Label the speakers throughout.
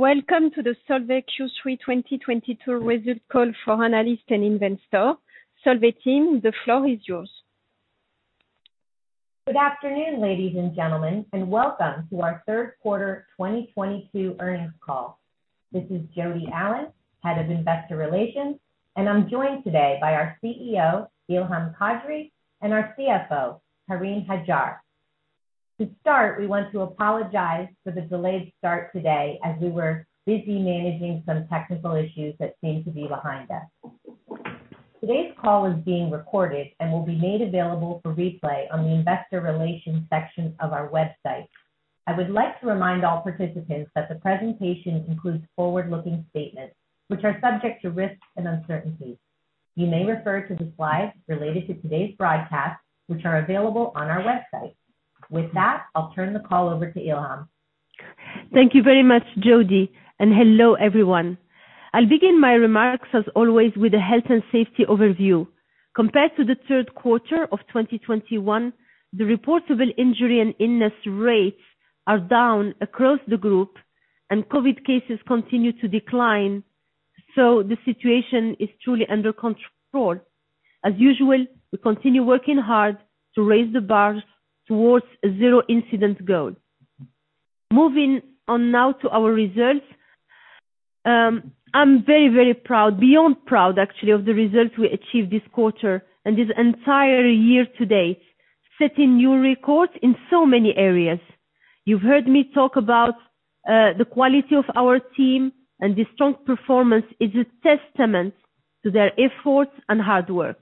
Speaker 1: Welcome to the Solvay Q3 2022 results call for analysts and investors. Solvay team, the floor is yours.
Speaker 2: Good afternoon, ladies and gentlemen, and welcome to our third quarter 2022 earnings call. This is Jodi Allen, Head of Investor Relations, and I'm joined today by our CEO, Ilham Kadri, and our CFO, Karim Hajjar. To start, we want to apologize for the delayed start today as we were busy managing some technical issues that seem to be behind us. Today's call is being recorded and will be made available for replay on the investor relations section of our website. I would like to remind all participants that the presentation includes forward-looking statements which are subject to risks and uncertainties. You may refer to the slides related to today's broadcast, which are available on our website. With that, I'll turn the call over to Ilham.
Speaker 3: Thank you very much, Jody, and hello, everyone. I'll begin my remarks as always, with a health and safety overview. Compared to the third quarter of 2021, the reportable injury and illness rates are down across the group and COVID cases continue to decline, so the situation is truly under control. As usual, we continue working hard to raise the bar towards a zero incident goal. Moving on now to our results. I'm very, very proud, beyond proud actually, of the results we achieved this quarter and this entire year to date, setting new records in so many areas. You've heard me talk about the quality of our team, and this strong performance is a testament to their efforts and hard work.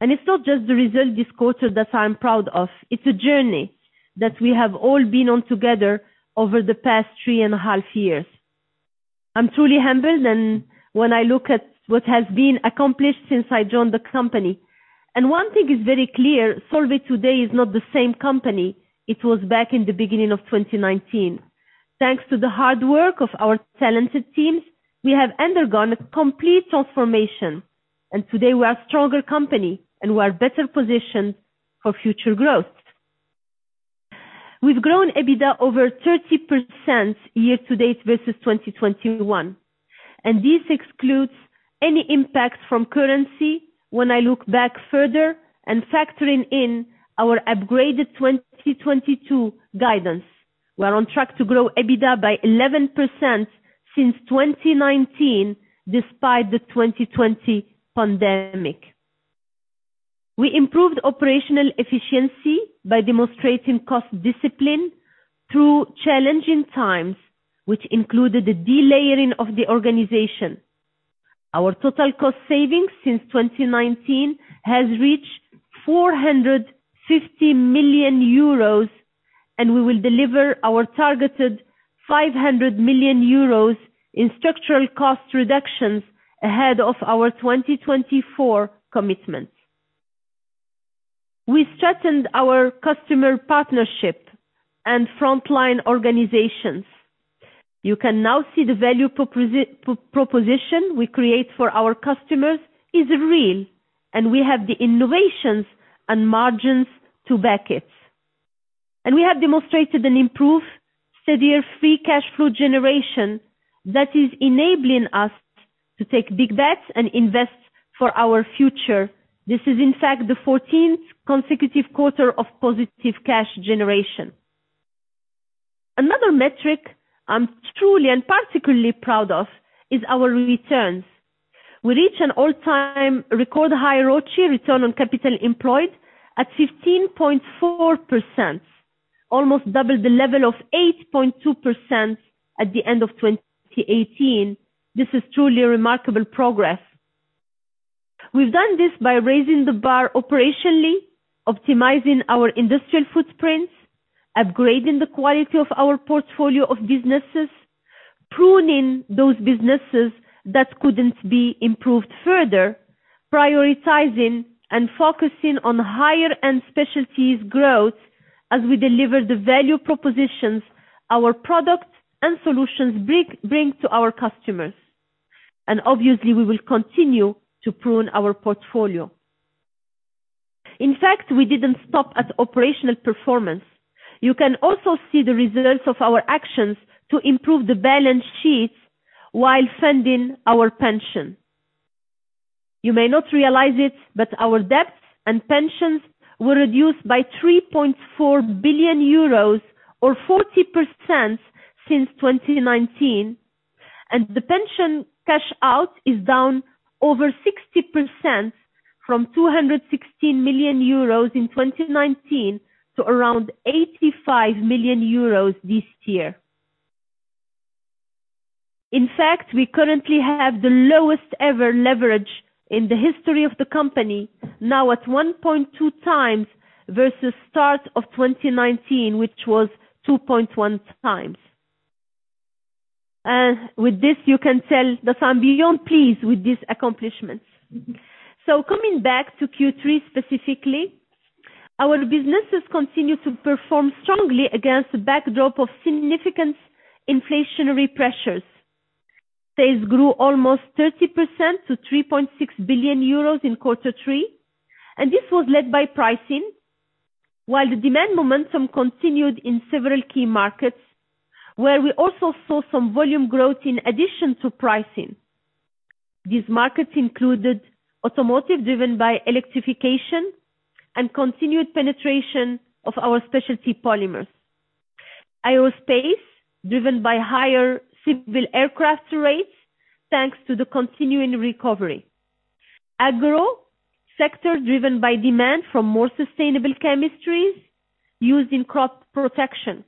Speaker 3: It's not just the results this quarter that I'm proud of. It's a journey that we have all been on together over the past three and a half years. I'm truly humbled and when I look at what has been accomplished since I joined the company. One thing is very clear, Solvay today is not the same company it was back in the beginning of 2019. Thanks to the hard work of our talented teams, we have undergone a complete transformation, and today we are a stronger company and we are better positioned for future growth. We've grown EBITDA over 30% year-to-date versus 2021, and this excludes any impact from currency. When I look back further and factoring in our upgraded 2022 guidance, we're on track to grow EBITDA by 11% since 2019, despite the 2020 pandemic. We improved operational efficiency by demonstrating cost discipline through challenging times, which included the delayering of the organization. Our total cost savings since 2019 has reached 450 million euros, and we will deliver our targeted 500 million euros in structural cost reductions ahead of our 2024 commitments. We strengthened our customer partnership and frontline organizations. You can now see the value proposition we create for our customers is real, and we have the innovations and margins to back it. We have demonstrated an improved, steadier free cash flow generation that is enabling us to take big bets and invest for our future. This is in fact the fourteenth consecutive quarter of positive cash generation. Another metric I'm truly and particularly proud of is our returns. We reach an all-time record high ROCE, return on capital employed, at 15.4%, almost double the level of 8.2% at the end of 2018. This is truly remarkable progress. We've done this by raising the bar operationally, optimizing our industrial footprints, upgrading the quality of our portfolio of businesses, pruning those businesses that couldn't be improved further, prioritizing and focusing on higher end specialties growth as we deliver the value propositions our products and solutions bring to our customers. Obviously we will continue to prune our portfolio. In fact, we didn't stop at operational performance. You can also see the results of our actions to improve the balance sheet while funding our pension. You may not realize it, but our debt and pensions were reduced by 3.4 billion euros or 40% since 2019, and the pension cash out is down over 60% from 216 million euros in 2019 to around 85 million euros this year. In fact, we currently have the lowest ever leverage in the history of the company, now at 1.2x versus start of 2019, which was 2.1x. With this you can tell that I'm beyond pleased with this accomplishment. Coming back to Q3 specifically, our businesses continue to perform strongly against the backdrop of significant inflationary pressures. Sales grew almost 30% to 3.6 billion euros in quarter three, and this was led by pricing while the demand momentum continued in several key markets where we also saw some volume growth in addition to pricing. These markets included automotive, driven by electrification and continued penetration of our Specialty Polymers. Aerospace, driven by higher civil aircraft rates, thanks to the continuing recovery. Agro sector, driven by demand from more sustainable chemistries used in crop protection.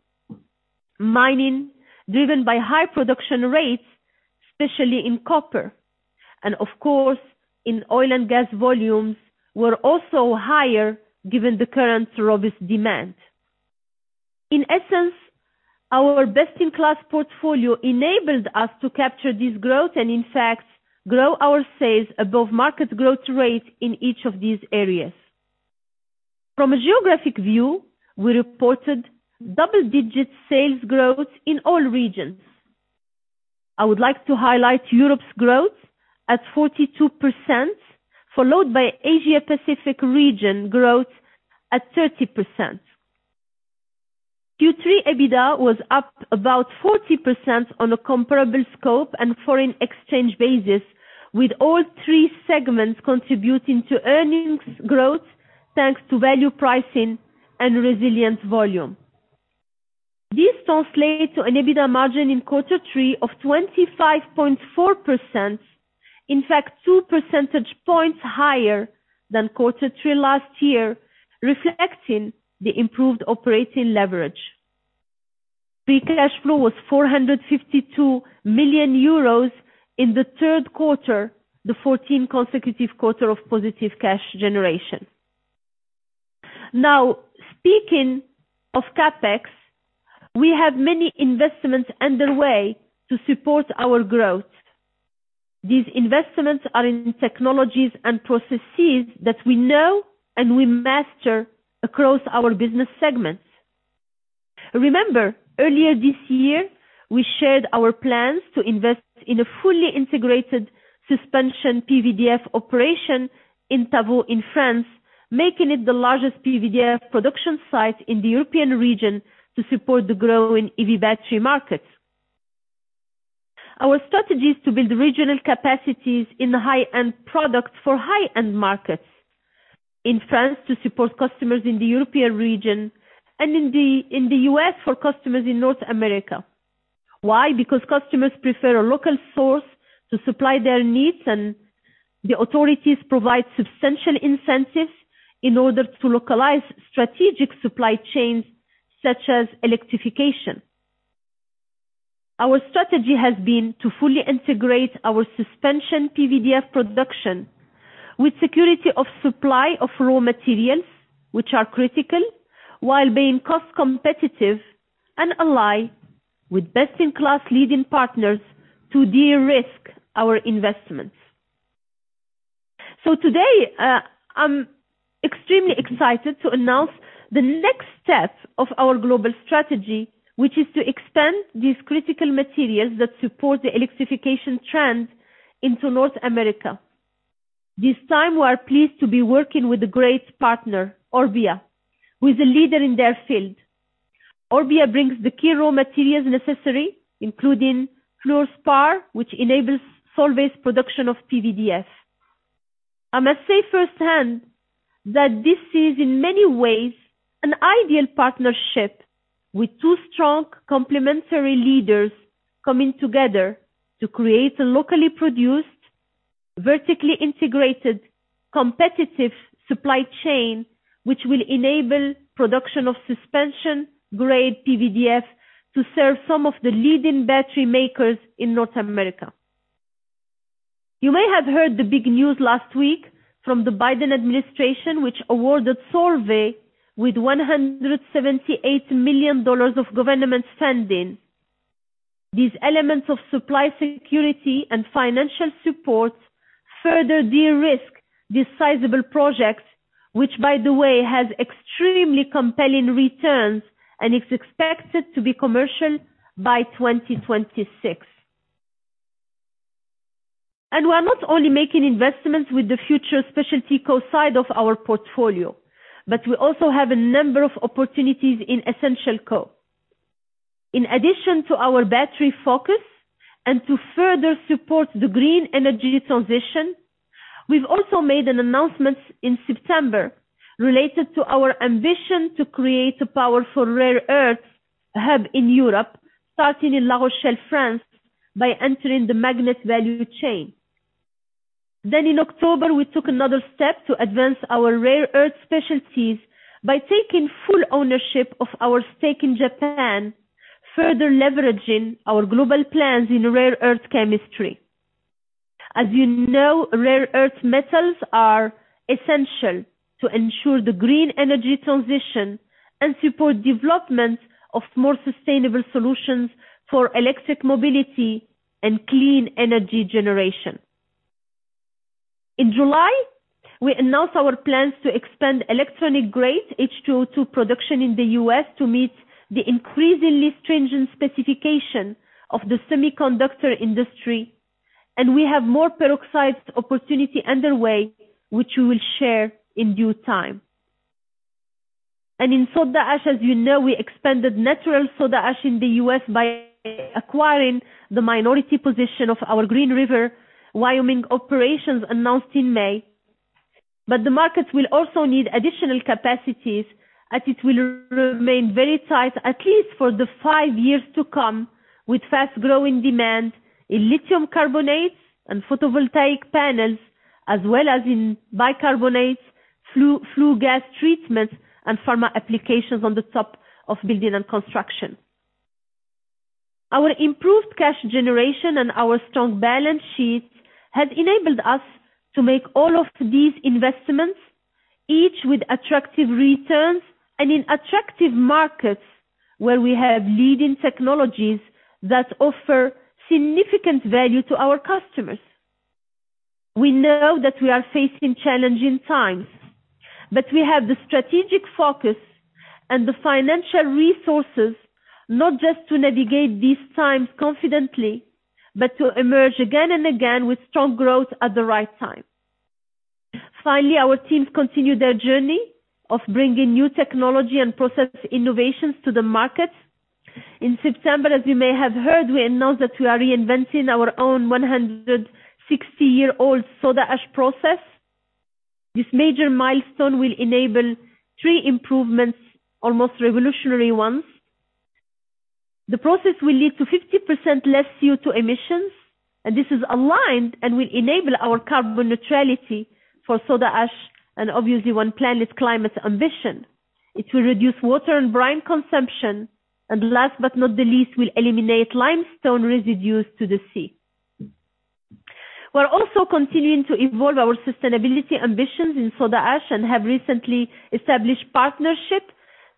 Speaker 3: Mining, driven by high production rates, especially in copper and, of course, in oil and gas volumes were also higher given the current robust demand. In essence, our best-in-class portfolio enabled us to capture this growth and in fact grow our sales above market growth rate in each of these areas. From a geographic view, we reported double-digit sales growth in all regions. I would like to highlight Europe's growth at 42%, followed by Asia Pacific region growth at 30%. Q3 EBITDA was up about 40% on a comparable scope and foreign exchange basis, with all three segments contributing to earnings growth, thanks to value pricing and resilient volume. This translates to an EBITDA margin in quarter three of 25.4%. In fact, two percentage points higher than quarter three last year, reflecting the improved operating leverage. Free cash flow was 452 million euros in the third quarter, the 14th consecutive quarter of positive cash generation. Now, speaking of CapEx, we have many investments underway to support our growth. These investments are in technologies and processes that we know and we master across our business segments. Remember, earlier this year, we shared our plans to invest in a fully integrated suspension PVDF operation in Tavaux in France, making it the largest PVDF production site in the European region to support the growing EV battery market. Our strategy is to build regional capacities in high-end products for high-end markets. In France to support customers in the European region and in the U.S. for customers in North America. Why? Because customers prefer a local source to supply their needs, and the authorities provide substantial incentives in order to localize strategic supply chains such as electrification. Our strategy has been to fully integrate our suspension PVDF production with security of supply of raw materials, which are critical while being cost competitive and ally with best-in-class leading partners to de-risk our investments. Today, I'm extremely excited to announce the next step of our global strategy, which is to expand these critical materials that support the electrification trend into North America. This time, we are pleased to be working with a great partner, Orbia, who is a leader in their field. Orbia brings the key raw materials necessary, including fluorspar, which enables Solvay's production of PVDF. I must say firsthand that this is in many ways an ideal partnership with two strong complementary leaders coming together to create a locally produced, vertically integrated, competitive supply chain, which will enable production of suspension-grade PVDF to serve some of the leading battery makers in North America. You may have heard the big news last week from the Biden administration, which awarded Solvay $178 million of government funding. These elements of supply security and financial support further de-risk this sizable project, which by the way, has extremely compelling returns and is expected to be commercial by 2026. We are not only making investments with the future Specialty Chemicals side of our portfolio, but we also have a number of opportunities in Essential Chemicals. In addition to our battery focus and to further support the green energy transition, we've also made an announcement in September related to our ambition to create a powerful rare earths hub in Europe, starting in La Rochelle, France, by entering the magnet value chain. In October, we took another step to advance our rare earth specialties by taking full ownership of our stake in Japan, further leveraging our global plans in rare earth chemistry. As you know, rare earth metals are essential to ensure the green energy transition and support development of more sustainable solutions for electric mobility and clean energy generation. In July, we announced our plans to expand electronic-grade H2O2 production in the U.S. to meet the increasingly stringent specification of the semiconductor industry, and we have more peroxide opportunities underway, which we will share in due time. In soda ash, as you know, we expanded natural soda ash in the U.S. by acquiring the minority position of our Green River, Wyoming operations announced in May. The markets will also need additional capacities, as it will remain very tight, at least for the five years to come, with fast-growing demand in lithium carbonates and photovoltaic panels, as well as in bicarbonates, flue gas treatments, and pharma applications on top of building and construction. Our improved cash generation and our strong balance sheet has enabled us to make all of these investments, each with attractive returns and in attractive markets where we have leading technologies that offer significant value to our customers. We know that we are facing challenging times, but we have the strategic focus and the financial resources, not just to navigate these times confidently, but to emerge again and again with strong growth at the right time. Finally, our teams continue their journey of bringing new technology and process innovations to the market. In September, as you may have heard, we announced that we are reinventing our own 160-year-old soda ash process. This major milestone will enable three improvements, almost revolutionary ones. The process will lead to 50% less CO2 emissions, and this is aligned and will enable our carbon neutrality for soda ash and obviously One Planet climate ambition. It will reduce water and brine consumption, and last but not the least, will eliminate limestone residues to the sea. We're also continuing to evolve our sustainability ambitions in soda ash and have recently established partnership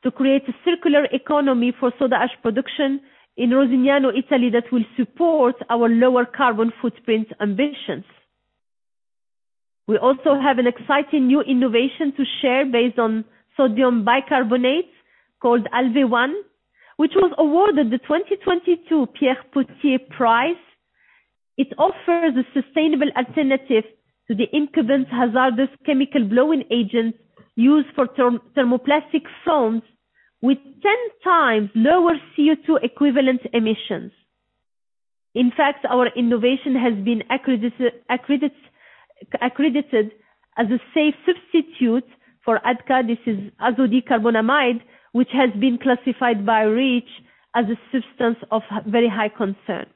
Speaker 3: to create a circular economy for soda ash production in Rosignano, Italy, that will support our lower carbon footprint ambitions. We also have an exciting new innovation to share based on sodium bicarbonate called Alve-One, which was awarded the 2022 Pierre Potier Prize. It offers a sustainable alternative to the incumbent hazardous chemical blowing agents used for thermoplastic foams with 10x lower CO2 equivalent emissions. In fact, our innovation has been accredited as a safe substitute for ADCA, this is azodicarbonamide, which has been classified by REACH as a substance of very high concern.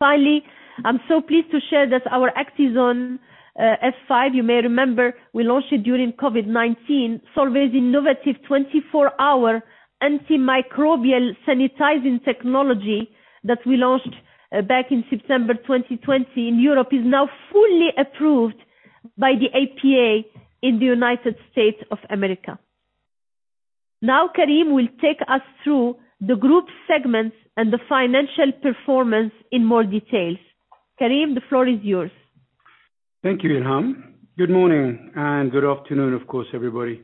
Speaker 3: Finally, I'm so pleased to share that our Actizone F5, you may remember we launched it during COVID-19, Solvay's innovative 24-hour antimicrobial sanitizing technology that we launched, back in September 2020 in Europe, is now fully approved by the EPA in the United States of America. Now Karim will take us through the group segments and the financial performance in more details. Karim, the floor is yours.
Speaker 4: Thank you, Ilham. Good morning and good afternoon, of course, everybody.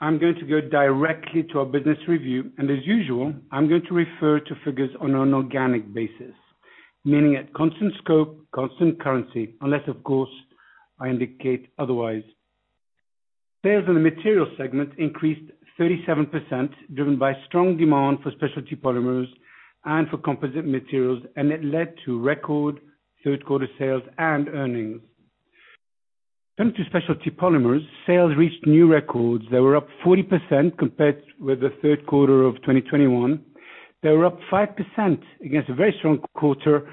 Speaker 4: I'm going to go directly to our business review, and as usual, I'm going to refer to figures on an organic basis, meaning at constant scope, constant currency, unless of course, I indicate otherwise. Sales in the Materials segment increased 37%, driven by strong demand for Specialty Polymers and for Composite Materials, and it led to record third quarter sales and earnings. Coming to Specialty Polymers, sales reached new records. They were up 40% compared with the third quarter of 2021. They were up 5% against a very strong quarter,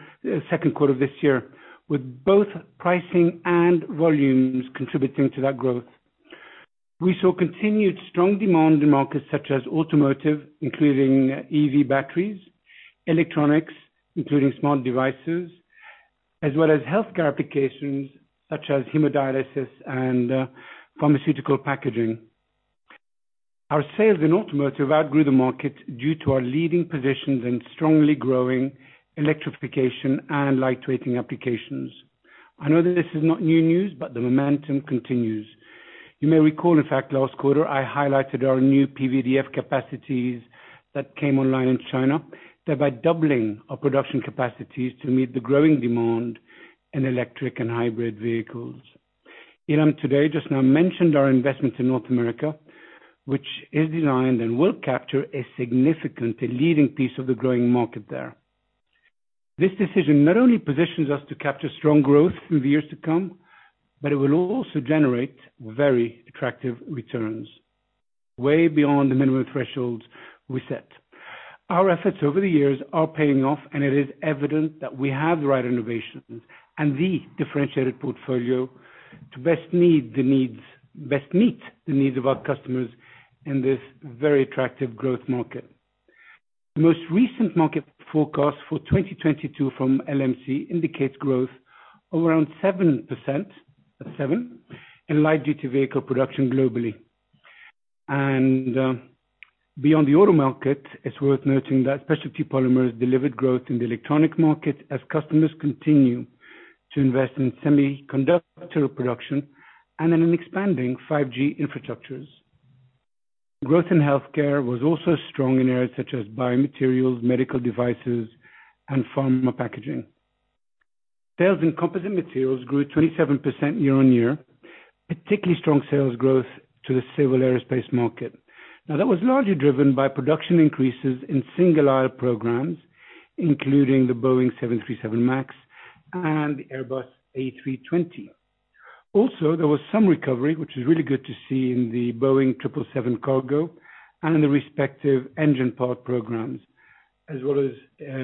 Speaker 4: second quarter of this year, with both pricing and volumes contributing to that growth. We saw continued strong demand in markets such as automotive, including EV batteries, electronics, including smart devices, as well as healthcare applications such as hemodialysis and, pharmaceutical packaging. Our sales in automotive outgrew the market due to our leading positions in strongly growing electrification and light-weighting applications. I know that this is not new news, but the momentum continues. You may recall, in fact, last quarter I highlighted our new PVDF capacities that came online in China, thereby doubling our production capacities to meet the growing demand in electric and hybrid vehicles. Ilham Kadri today, just now mentioned our investments in North America, which is designed and will capture a significant and leading piece of the growing market there. This decision not only positions us to capture strong growth through the years to come, but it will also generate very attractive returns, way beyond the minimum thresholds we set. Our efforts over the years are paying off, and it is evident that we have the right innovations and the differentiated portfolio to best meet the needs of our customers in this very attractive growth market. The most recent market forecast for 2022 from LMC indicates growth of around 7%, that's seven, in light-duty vehicle production globally. Beyond the auto market, it's worth noting that Specialty Polymers delivered growth in the electronic market as customers continue to invest in semiconductor production and in an expanding 5G infrastructure. Growth in healthcare was also strong in areas such as biomaterials, medical devices, and pharma packaging. Sales in Composite Materials grew 27% year-on-year, particularly strong sales growth to the civil aerospace market. Now, that was largely driven by production increases in single-aisle programs, including the Boeing 737 MAX and the Airbus A320. Also, there was some recovery, which is really good to see, in the Boeing 777 cargo and in the respective engine part programs, as well as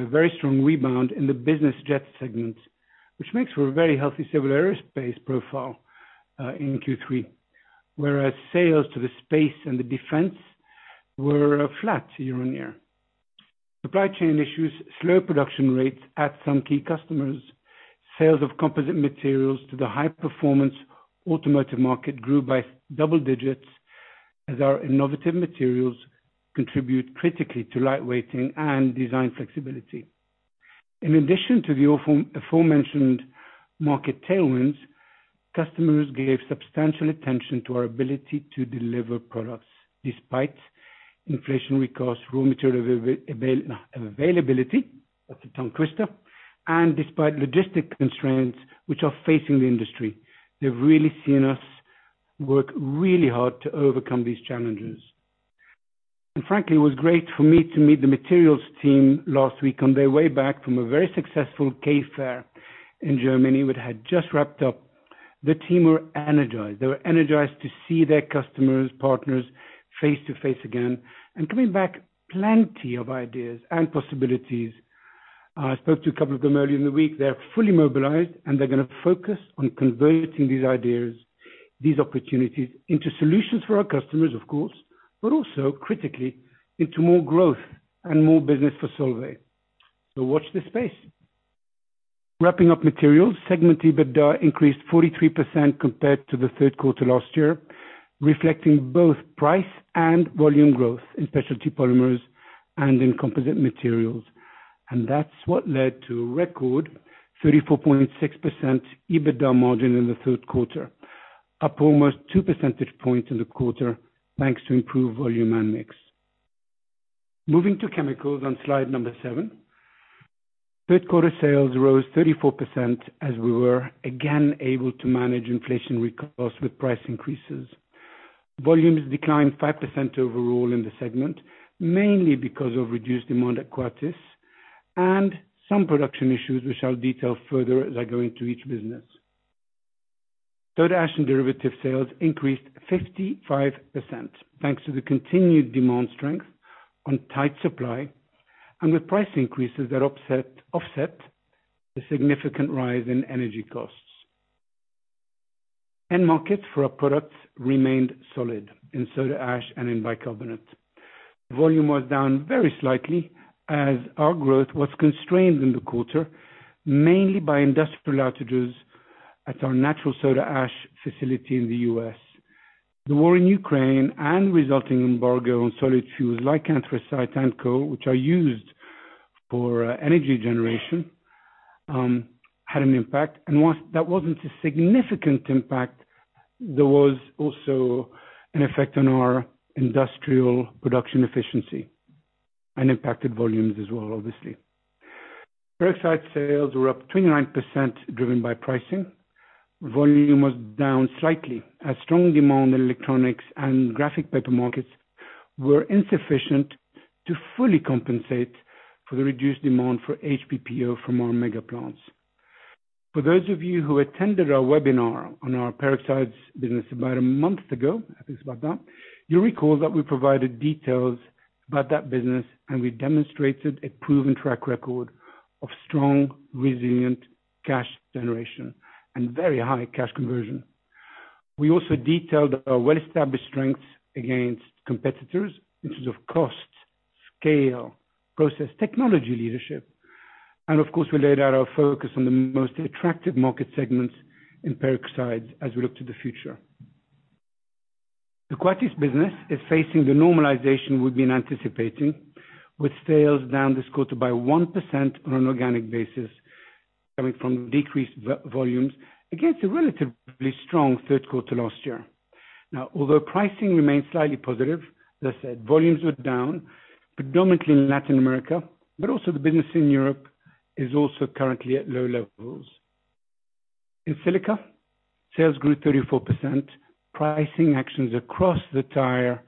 Speaker 4: very strong rebound in the business jet segment, which makes for a very healthy civil aerospace profile in Q3. Whereas sales to the space and the defense were flat year-on-year. Supply chain issues, slow production rates at some key customers. Sales of Composite Materials to the high performance automotive market grew by double digits as our innovative materials contribute critically to lightweighting and design flexibility. In addition to the aforementioned market tailwinds, customers gave substantial attention to our ability to deliver products despite inflationary costs, raw material availability, that's the tongue twister, and despite logistic constraints which are facing the industry. They've really seen us work really hard to overcome these challenges. Frankly, it was great for me to meet the Materials team last week on their way back from a very successful K Fair in Germany, which had just wrapped up. The team were energized. They were energized to see their customers, partners face-to-face again and coming back plenty of ideas and possibilities. I spoke to a couple of them earlier in the week. They're fully mobilized, and they're gonna focus on converting these ideas, these opportunities into solutions for our customers, of course, but also critically into more growth and more business for Solvay. Watch this space. Wrapping up Materials, segment EBITDA increased 43% compared to the third quarter last year, reflecting both price and volume growth in Specialty Polymers and in Composite Materials. That's what led to record 34.6% EBITDA margin in the third quarter, up almost two percentage points in the quarter, thanks to improved volume and mix. Moving to Chemicals on slide seven. Third quarter sales rose 34% as we were again able to manage inflationary costs with price increases. Volumes declined 5% overall in the segment, mainly because of reduced demand at Coatis and some production issues which I'll detail further as I go into each business. Soda Ash and Derivatives sales increased 55% thanks to the continued demand strength on tight supply and with price increases that offset the significant rise in energy costs. End markets for our products remained solid in soda ash and in bicarbonate. Volume was down very slightly as our growth was constrained in the quarter, mainly by industrial outages at our natural soda ash facility in the U.S. The war in Ukraine and resulting embargo on solid fuels like anthracite and coal, which are used for energy generation, had an impact. Whilst that wasn't a significant impact, there was also an effect on our industrial production efficiency and impacted volumes as well, obviously. Peroxides sales were up 29% driven by pricing. Volume was down slightly as strong demand in electronics and graphic paper markets were insufficient to fully compensate for the reduced demand for HPPO from our mega plants. For those of you who attended our webinar on our Peroxides business about a month ago, I think it's about that, you'll recall that we provided details about that business, and we demonstrated a proven track record of strong, resilient cash generation and very high cash conversion. We also detailed our well-established strengths against competitors in terms of cost, scale, process technology leadership, and of course, we laid out our focus on the most attractive market segments in peroxides as we look to the future. The Coatis business is facing the normalization we've been anticipating, with sales down this quarter by 1% on an organic basis, coming from decreased volumes against a relatively strong third quarter last year. Now, although pricing remains slightly positive, as I said, volumes were down predominantly in Latin America, but also the business in Europe is also currently at low levels. In Silica, sales grew 34%. Pricing actions across the tire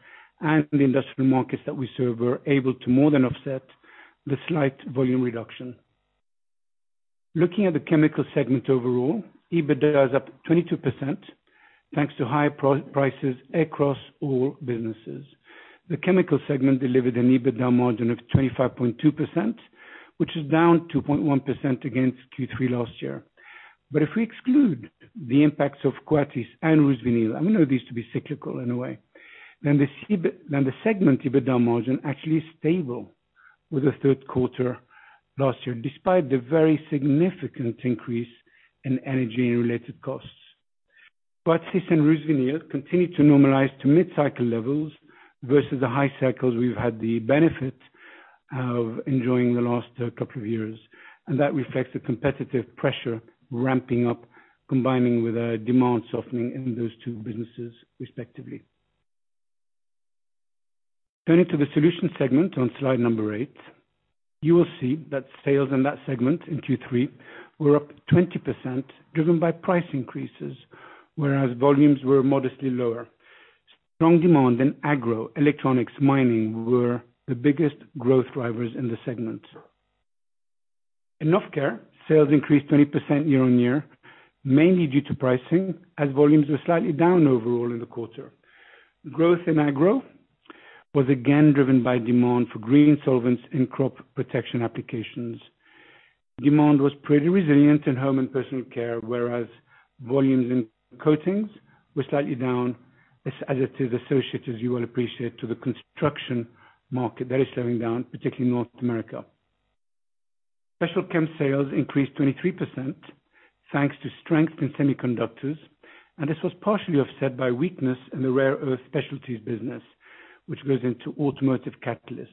Speaker 4: and the industrial markets that we serve were able to more than offset the slight volume reduction. Looking at the chemical segment overall, EBITDA is up 22%, thanks to higher prices across all businesses. The chemical segment delivered an EBITDA margin of 25.2%, which is down 2.1% against Q3 last year. If we exclude the impacts of Coatis and RusVinyl, and we know these to be cyclical in a way, then the segment EBITDA margin actually is stable with the third quarter last year, despite the very significant increase in energy-related costs. Coatis and Rusvinyl continued to normalize to mid-cycle levels versus the high cycles we've had the benefit of enjoying the last couple of years, and that reflects the competitive pressure ramping up, combining with a demand softening in those two businesses respectively. Turning to the Solutions segment on slide eight, you will see that sales in that segment in Q3 were up 20% driven by price increases, whereas volumes were modestly lower. Strong demand in Agro, Electronics, Mining were the biggest growth drivers in the segment. In Novecare, sales increased 20% year-on-year, mainly due to pricing, as volumes were slightly down overall in the quarter. Growth in Agro was again driven by demand for green solvents in crop protection applications. Demand was pretty resilient in Home and Personal Care, whereas volumes in coatings were slightly down as it is associated, you will appreciate, to the construction market that is slowing down, particularly in North America. Special Chem sales increased 23% thanks to strength in semiconductors, and this was partially offset by weakness in the rare earth specialties business, which goes into automotive catalysts,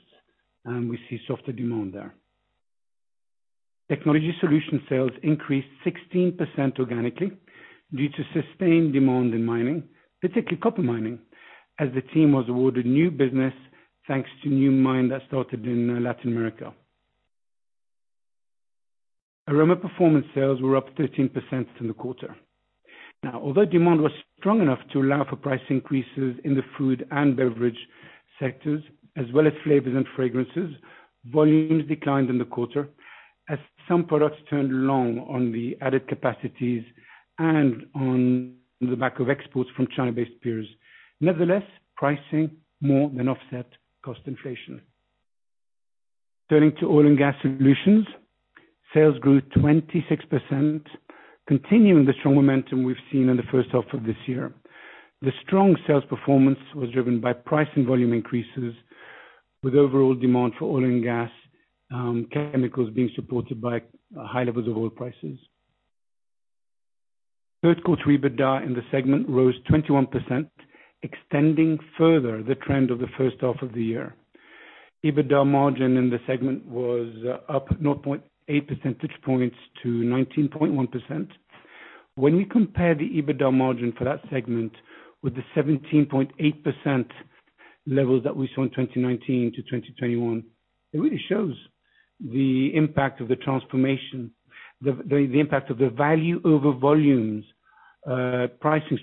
Speaker 4: and we see softer demand there. Technology Solutions sales increased 16% organically due to sustained demand in mining, particularly copper mining, as the team was awarded new business thanks to new mine that started in Latin America. Aroma Performance sales were up 13% in the quarter. Now, although demand was strong enough to allow for price increases in the food and beverage sectors as well as flavors and fragrances, volumes declined in the quarter as some products turned long on the added capacities and on the back of exports from China-based peers. Nevertheless, pricing more than offset cost inflation. Turning to Oil and Gas Solutions, sales grew 26%, continuing the strong momentum we've seen in the first half of this year. The strong sales performance was driven by price and volume increases, with overall demand for oil and gas chemicals being supported by high levels of oil prices. Third quarter EBITDA in the segment rose 21%, extending further the trend of the first half of the year. EBITDA margin in the segment was up 0.8 percentage points to 19.1%. When we compare the EBITDA margin for that segment with the 17.8% levels that we saw in 2019 to 2021, it really shows the impact of the transformation, the impact of the value over volumes, pricing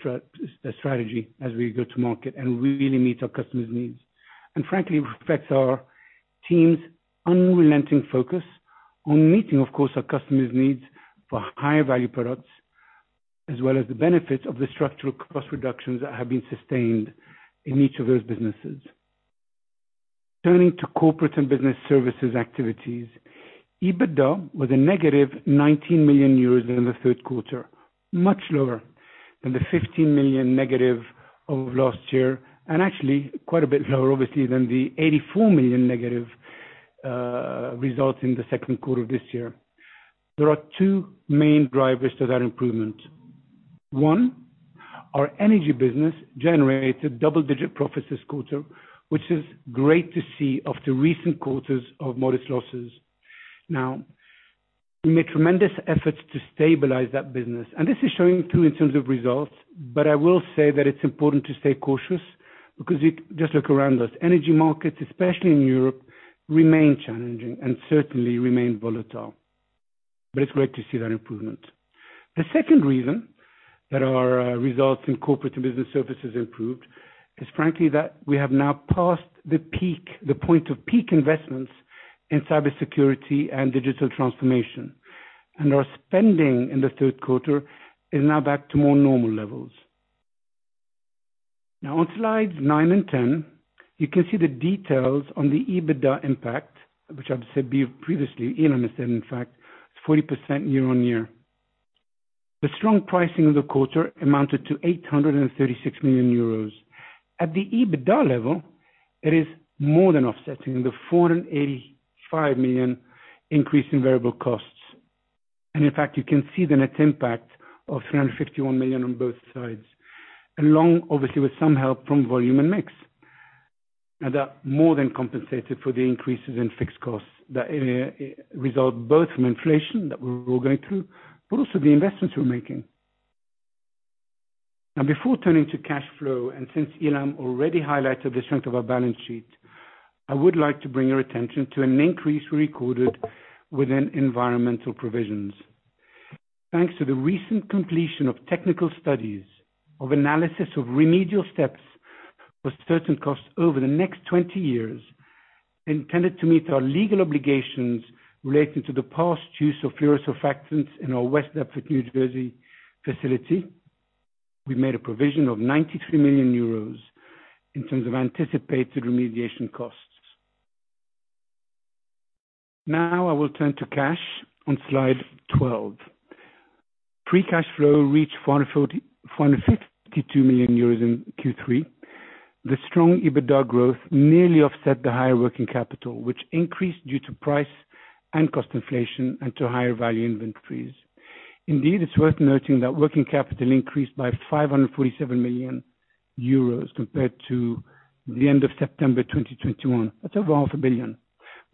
Speaker 4: strategy as we go to market and really meet our customers' needs. Frankly, it reflects our team's unrelenting focus on meeting, of course, our customers' needs for higher value products, as well as the benefits of the structural cost reductions that have been sustained in each of those businesses. Turning to Corporate and Business Services activities, EBITDA was a -19 million euros in the third quarter, much lower than the -15 million of last year and actually quite a bit lower obviously than the -84 million results in the second quarter of this year. There are two main drivers to that improvement. One, our energy business generated double-digit profits this quarter, which is great to see after recent quarters of modest losses. Now, we made tremendous efforts to stabilize that business, and this is showing too in terms of results, but I will say that it's important to stay cautious because if you just look around us, energy markets, especially in Europe, remain challenging and certainly remain volatile. But it's great to see that improvement. The second reason that our results in Corporate and Business Services improved is frankly that we have now passed the peak, the point of peak investments in cybersecurity and digital transformation. And our spending in the third quarter is now back to more normal levels. Now on slides nine and 10, you can see the details on the EBITDA impact, which I've said before previously. Ilham has said, in fact, it's 40% year-over-year. The strong pricing of the quarter amounted to 836 million euros. At the EBITDA level, it is more than offsetting the 485 million increase in variable costs. In fact, you can see the net impact of 351 million on both sides. Along obviously with some help from volume and mix. Now that more than compensated for the increases in fixed costs, that are a result both from inflation that we're all going through, but also the investments we're making. Now before turning to cash flow and since Ilham already highlighted the strength of our balance sheet, I would like to bring your attention to an increase we recorded within environmental provisions. Thanks to the recent completion of technical studies of analysis of remedial steps for certain costs over the next 20 years intended to meet our legal obligations relating to the past use of fluorosurfactants in our West Deptford, New Jersey facility, we made a provision of 93 million euros in terms of anticipated remediation costs. Now I will turn to cash on slide 12. Free cash flow reached 452 million euros in Q3. The strong EBITDA growth nearly offset the higher working capital, which increased due to price and cost inflation and to higher value inventories. Indeed, it's worth noting that working capital increased by 547 million euros compared to the end of September 2021. That's over half a billion.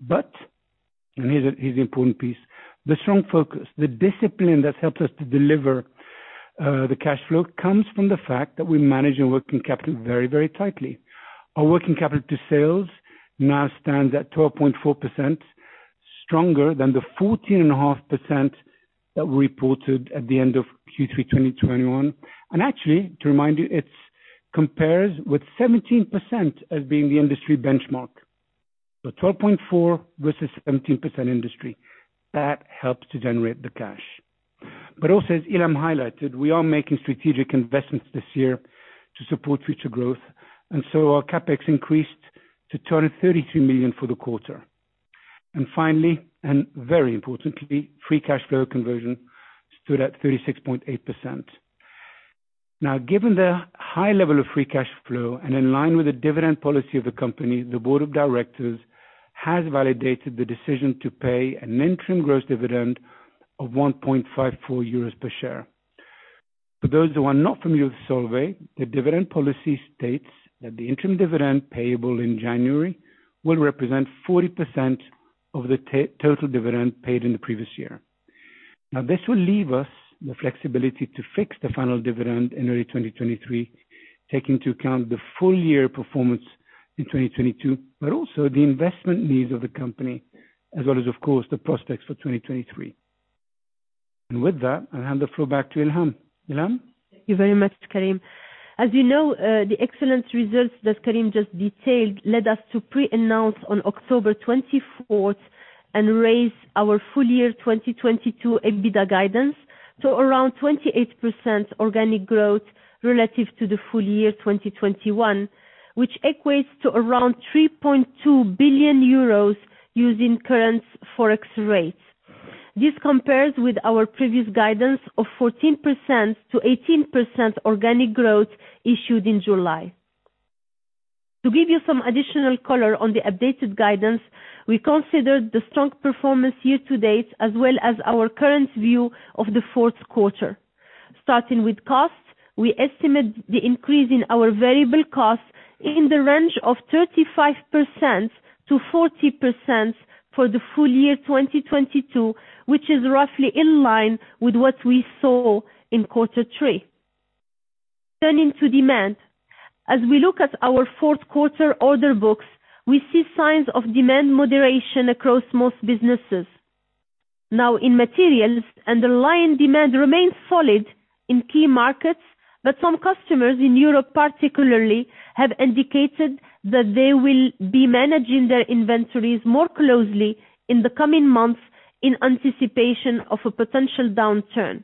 Speaker 4: here's the important piece, the strong focus, the discipline that's helped us to deliver the cash flow comes from the fact that we manage our working capital very, very tightly. Our working capital to sales now stands at 12.4%, stronger than the 14.5% that we reported at the end of Q3 2021. Actually, to remind you, it compares with 17% as being the industry benchmark. 12.4% versus 17% industry. That helps to generate the cash. Also, as Ilham highlighted, we are making strategic investments this year to support future growth, and so our CapEx increased to 23 million for the quarter. Finally, and very importantly, free cash flow conversion stood at 36.8%. Now, given the high level of free cash flow and in line with the dividend policy of the company, the board of directors has validated the decision to pay an interim gross dividend of 1.54 euros per share. For those who are not familiar with Solvay, the dividend policy states that the interim dividend payable in January will represent 40% of the total dividend paid in the previous year. Now, this will leave us the flexibility to fix the final dividend in early 2023, taking into account the full year performance in 2022, but also the investment needs of the company as well as, of course, the prospects for 2023. With that, I hand the floor back to Ilham. Ilham?
Speaker 3: Thank you very much, Karim. As you know, the excellent results that Karim just detailed led us to pre-announce on October 24th and raise our full year 2022 EBITDA guidance to around 28% organic growth relative to the full year 2021, which equates to around 3.2 billion euros using current Forex rates. This compares with our previous guidance of 14%-18% organic growth issued in July. To give you some additional color on the updated guidance, we considered the strong performance year to date as well as our current view of the fourth quarter. Starting with costs, we estimate the increase in our variable costs in the range of 35%-40% for the full year 2022, which is roughly in line with what we saw in quarter three. Turning to demand. As we look at our fourth quarter order books, we see signs of demand moderation across most businesses. Now, in Materials, underlying demand remains solid in key markets, but some customers in Europe particularly have indicated that they will be managing their inventories more closely in the coming months in anticipation of a potential downturn.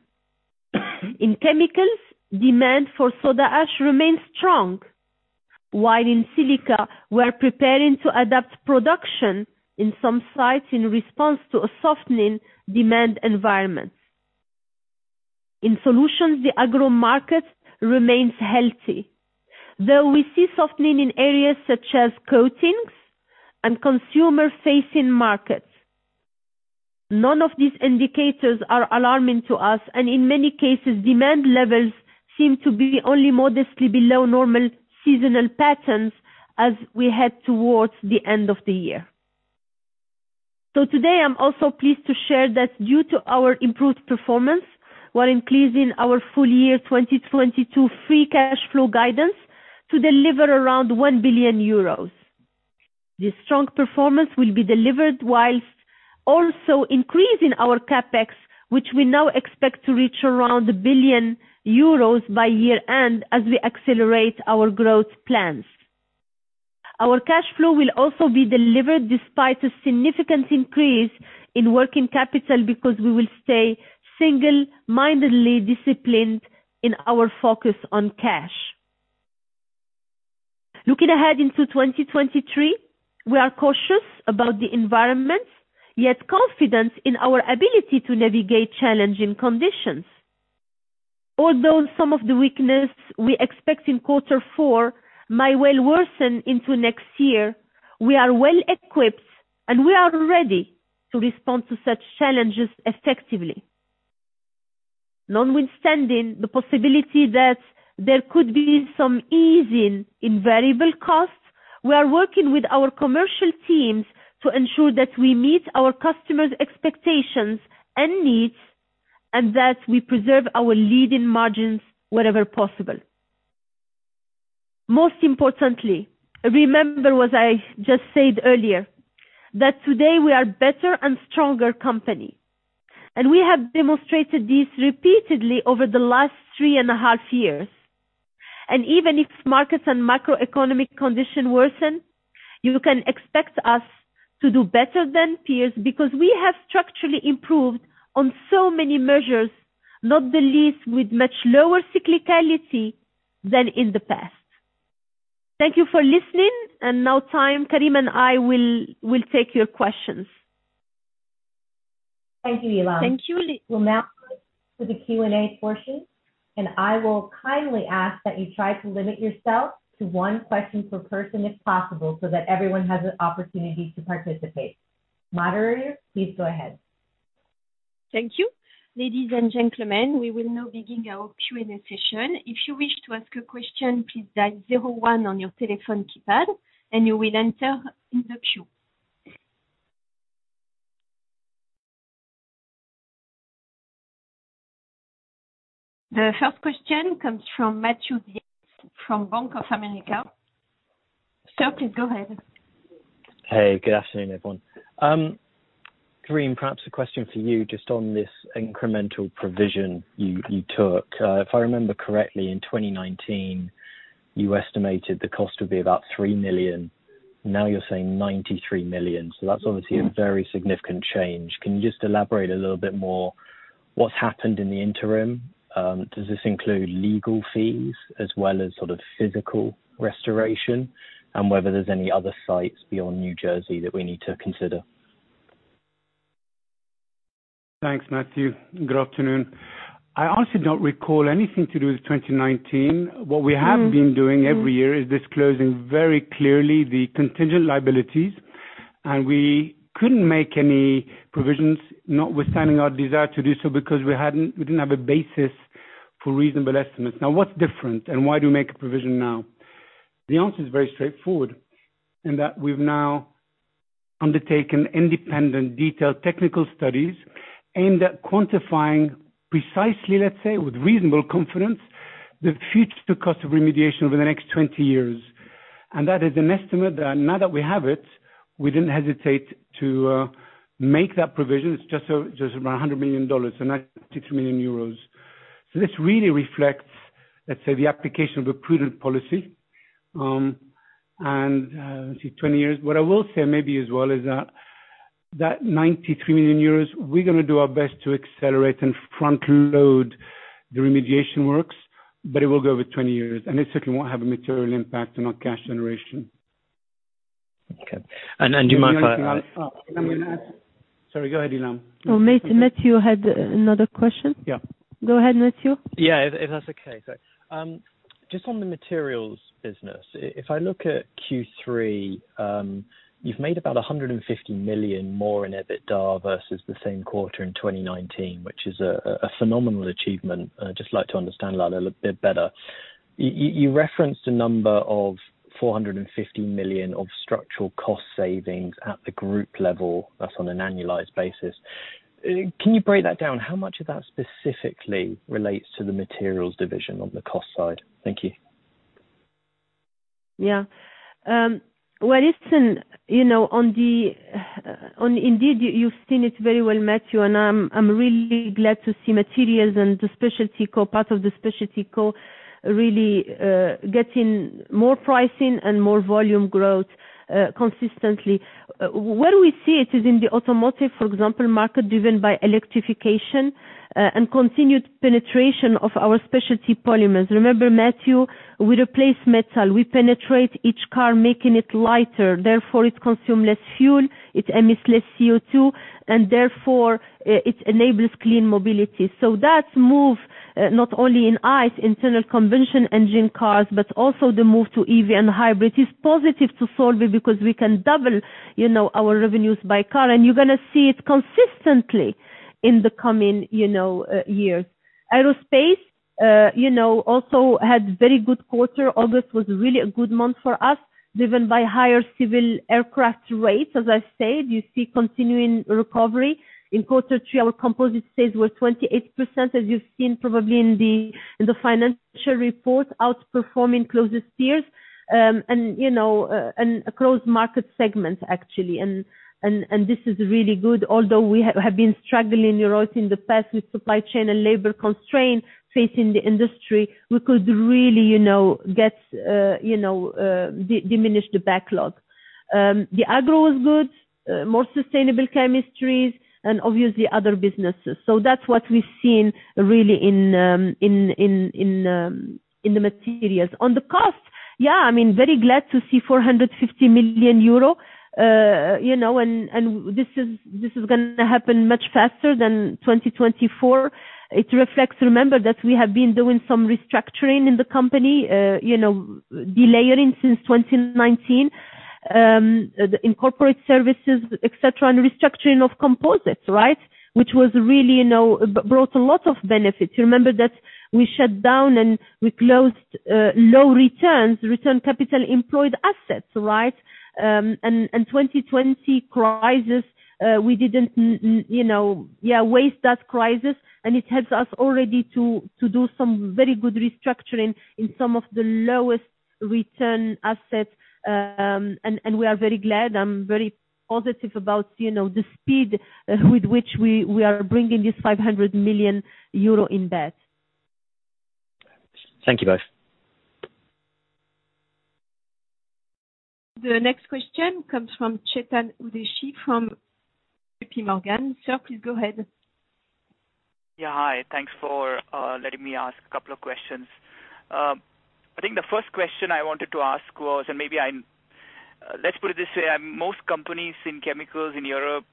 Speaker 3: In Chemicals, demand for soda ash remains strong, while in Silica we're preparing to adapt production in some sites in response to a softening demand environment. In Solutions, the Agro market remains healthy, though we see softening in areas such as coatings and consumer-facing markets. None of these indicators are alarming to us, and in many cases demand levels seem to be only modestly below normal seasonal patterns as we head towards the end of the year. Today I'm also pleased to share that due to our improved performance, we're increasing our full year 2022 free cash flow guidance to deliver around 1 billion euros. This strong performance will be delivered while also increasing our CapEx, which we now expect to reach around 1 billion euros by year-end as we accelerate our growth plans. Our cash flow will also be delivered despite a significant increase in working capital because we will stay single-mindedly disciplined in our focus on cash. Looking ahead into 2023, we are cautious about the environment, yet confident in our ability to navigate challenging conditions. Although some of the weakness we expect in quarter four may well worsen into next year, we are well equipped and we are ready to respond to such challenges effectively. Notwithstanding the possibility that there could be some easing in variable costs, we are working with our commercial teams to ensure that we meet our customers' expectations and needs and that we preserve our leading margins wherever possible. Most importantly, remember what I just said earlier, that today we are better and stronger company, and we have demonstrated this repeatedly over the last three and a half years. Even if markets and macroeconomic conditions worsen, you can expect us to do better than peers because we have structurally improved on so many measures, not the least with much lower cyclicality than in the past. Thank you for listening. Now, Karim and I will take your questions.
Speaker 2: Thank you, Ilham.
Speaker 3: Thank you.
Speaker 2: We'll now go to the Q&A portion, and I will kindly ask that you try to limit yourself to one question per person, if possible, so that everyone has an opportunity to participate. Moderator, please go ahead.
Speaker 1: Thank you. Ladies and gentlemen, we will now begin our Q&A session. If you wish to ask a question, please dial zero one on your telephone keypad and you will enter in the queue. The first question comes from Matthew Yates from Bank of America. Sir, please go ahead.
Speaker 5: Hey, good afternoon, everyone. Karim, perhaps a question for you just on this incremental provision you took. If I remember correctly, in 2019, you estimated the cost would be about 3 million. Now you're saying 93 million. That's obviously a very significant change. Can you just elaborate a little bit more what's happened in the interim? Does this include legal fees as well as sort of physical restoration? Whether there's any other sites beyond New Jersey that we need to consider?
Speaker 4: Thanks, Matthew. Good afternoon. I honestly don't recall anything to do with 2019. What we have been doing every year is disclosing very clearly the contingent liabilities. We couldn't make any provisions notwithstanding our desire to do so because we didn't have a basis for reasonable estimates. Now, what's different and why do we make a provision now? The answer is very straightforward, in that we've now undertaken independent detailed technical studies aimed at quantifying precisely, let's say, with reasonable confidence, the future cost of remediation over the next 20 years. That is an estimate that now that we have it, we didn't hesitate to make that provision. It's just around $100 million, so 93 million euros. This really reflects, let's say, the application of a prudent policy, 20 years. What I will say maybe as well is that 93 million euros, we're gonna do our best to accelerate and front load the remediation works, but it will go over 20 years, and it certainly won't have a material impact on our cash generation.
Speaker 5: Okay. Do you mind if I-
Speaker 4: Anything else? Sorry, go ahead, Ilham.
Speaker 3: Oh, Matthew had another question.
Speaker 4: Yeah.
Speaker 3: Go ahead, Matthew.
Speaker 5: Yeah, if that's okay. Just on the Materials business, if I look at Q3, you've made about 150 million more in EBITDA versus the same quarter in 2019, which is a phenomenal achievement. I'd just like to understand that a little bit better. You referenced a number of 450 million of structural cost savings at the group level. That's on an annualized basis. Can you break that down? How much of that specifically relates to the Materials division on the cost side? Thank you.
Speaker 3: Yeah. Well, listen, you know, Indeed, you've seen it very well, Matthew, and I'm really glad to see Materials and the Specialty Po, part of the Specialty Po really getting more pricing and more volume growth consistently. Where we see it is in the automotive, for example, market driven by electrification and continued penetration of our Specialty Polymers. Remember, Matthew, we replace metal. We penetrate each car, making it lighter, therefore it consume less fuel, it emits less CO2, and therefore it enables clean mobility. That move, not only in ICE, internal combustion engine cars, but also the move to EV and hybrid, is positive to Solvay because we can double, you know, our revenues by car, and you're gonna see it consistently in the coming, you know, years. Aerospace, you know, also had very good quarter. August was really a good month for us, driven by higher civil aircraft rates. As I said, you see continuing recovery. In quarter three, our composite sales were 28%, as you've seen probably in the financial report, outperforming closest peers, and, you know, and across market segments, actually. This is really good. Although we have been struggling, you know in the past with supply chain and labor constraints facing the industry, we could really, you know, get, you know, diminish the backlog. The Agro was good, more sustainable chemistries and obviously other businesses. That's what we've seen really in the Materials. On the cost, yeah, I mean, very glad to see 450 million euro. You know, this is gonna happen much faster than 2024. It reflects, remember, that we have been doing some restructuring in the company, you know, delayering since 2019, the Corporate Services, et cetera, and restructuring of composites, right? Which was really, you know, brought a lot of benefits. You remember that we shut down and we closed, low return on capital employed assets, right? And 2020 crisis, we didn't waste that crisis and it helps us already to do some very good restructuring in some of the lowest return assets. And we are very glad. I'm very positive about, you know, the speed with which we are bringing this 500 million euro in EBIT.
Speaker 5: Thank you both.
Speaker 1: The next question comes from Chetan Udeshi from JP Morgan. Sir, please go ahead.
Speaker 6: Yeah. Hi. Thanks for letting me ask a couple of questions. I think the first question I wanted to ask was, Let's put it this way, most companies in chemicals in Europe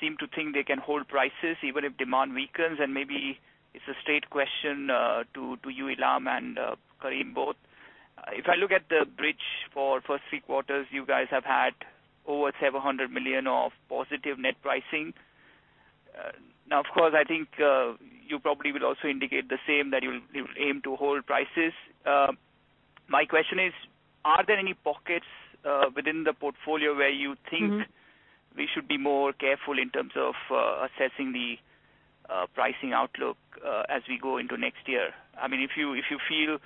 Speaker 6: seem to think they can hold prices even if demand weakens, and maybe it's a straight question to you, Ilham and Karim both. If I look at the bridge for first three quarters, you guys have had over 700 million of positive net pricing. Now, of course, I think you probably will also indicate the same, that you'll aim to hold prices. My question is, are there any pockets within the portfolio where you think-
Speaker 3: Mm-hmm.
Speaker 6: We should be more careful in terms of assessing the pricing outlook as we go into next year? I mean, if you feel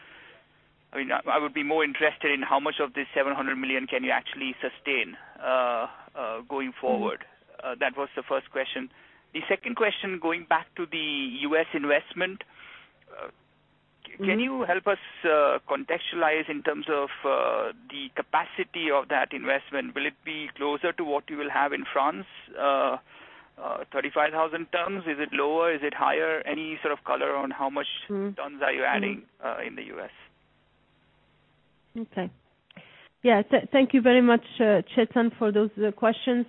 Speaker 6: I mean, I would be more interested in how much of this 700 million can you actually sustain going forward.
Speaker 3: Mm-hmm.
Speaker 6: That was the first question. The second question, going back to the U.S. investment.
Speaker 3: Mm-hmm.
Speaker 6: Can you help us contextualize in terms of the capacity of that investment? Will it be closer to what you will have in France, 35,000 tons? Is it lower? Is it higher? Any sort of color on how much?
Speaker 3: Mm-hmm.
Speaker 6: Tons are you adding, in the U.S.?
Speaker 3: Okay. Yeah. Thank you very much, Chetan, for those questions.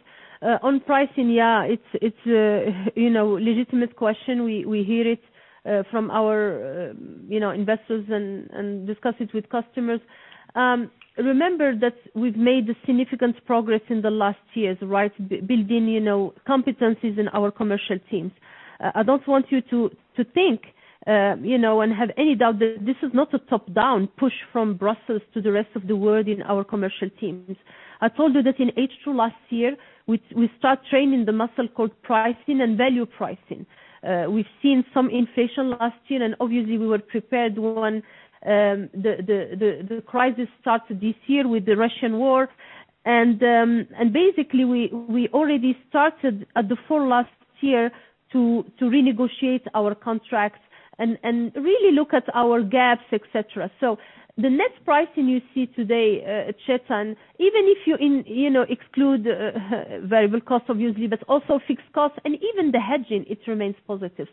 Speaker 3: On pricing, yeah, it's you know, legitimate question. We hear it from our you know, investors and discuss it with customers. Remember that we've made significant progress in the last years, right? Building you know, competencies in our commercial teams. I don't want you to think you know, and have any doubt that this is not a top-down push from Brussels to the rest of the world in our commercial teams. I told you that in H2 last year, we start training the muscle called pricing and value pricing. We've seen some inflation last year, and obviously we were prepared when the crisis started this year with the Russian war. Basically we already started in the fall last year to renegotiate our contracts and really look at our gaps, et cetera. The net pricing you see today, Chetan, even if you exclude variable cost obviously, but also fixed cost and even the hedging, it remains positive.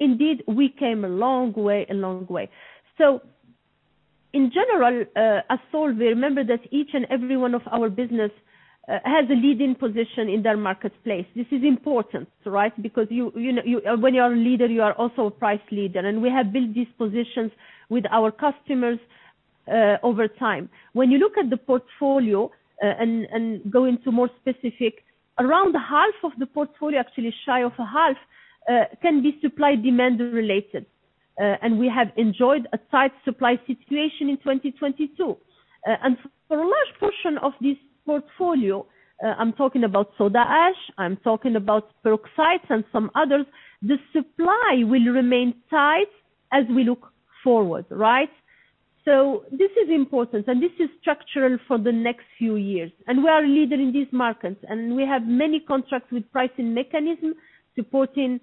Speaker 3: Indeed we came a long way. In general, as Solvay, remember that each and every one of our business has a leading position in their marketplace. This is important, right? Because when you are a leader, you are also a price leader. We have built these positions with our customers over time. When you look at the portfolio, and go into more specific, around half of the portfolio, actually shy of a half, can be supply-demand related. We have enjoyed a tight supply situation in 2022. For a large portion of this portfolio, I'm talking about soda ash, I'm talking about peroxides and some others, the supply will remain tight as we look forward, right? This is important, and this is structural for the next few years. We are a leader in these markets, and we have many contracts with pricing mechanism supporting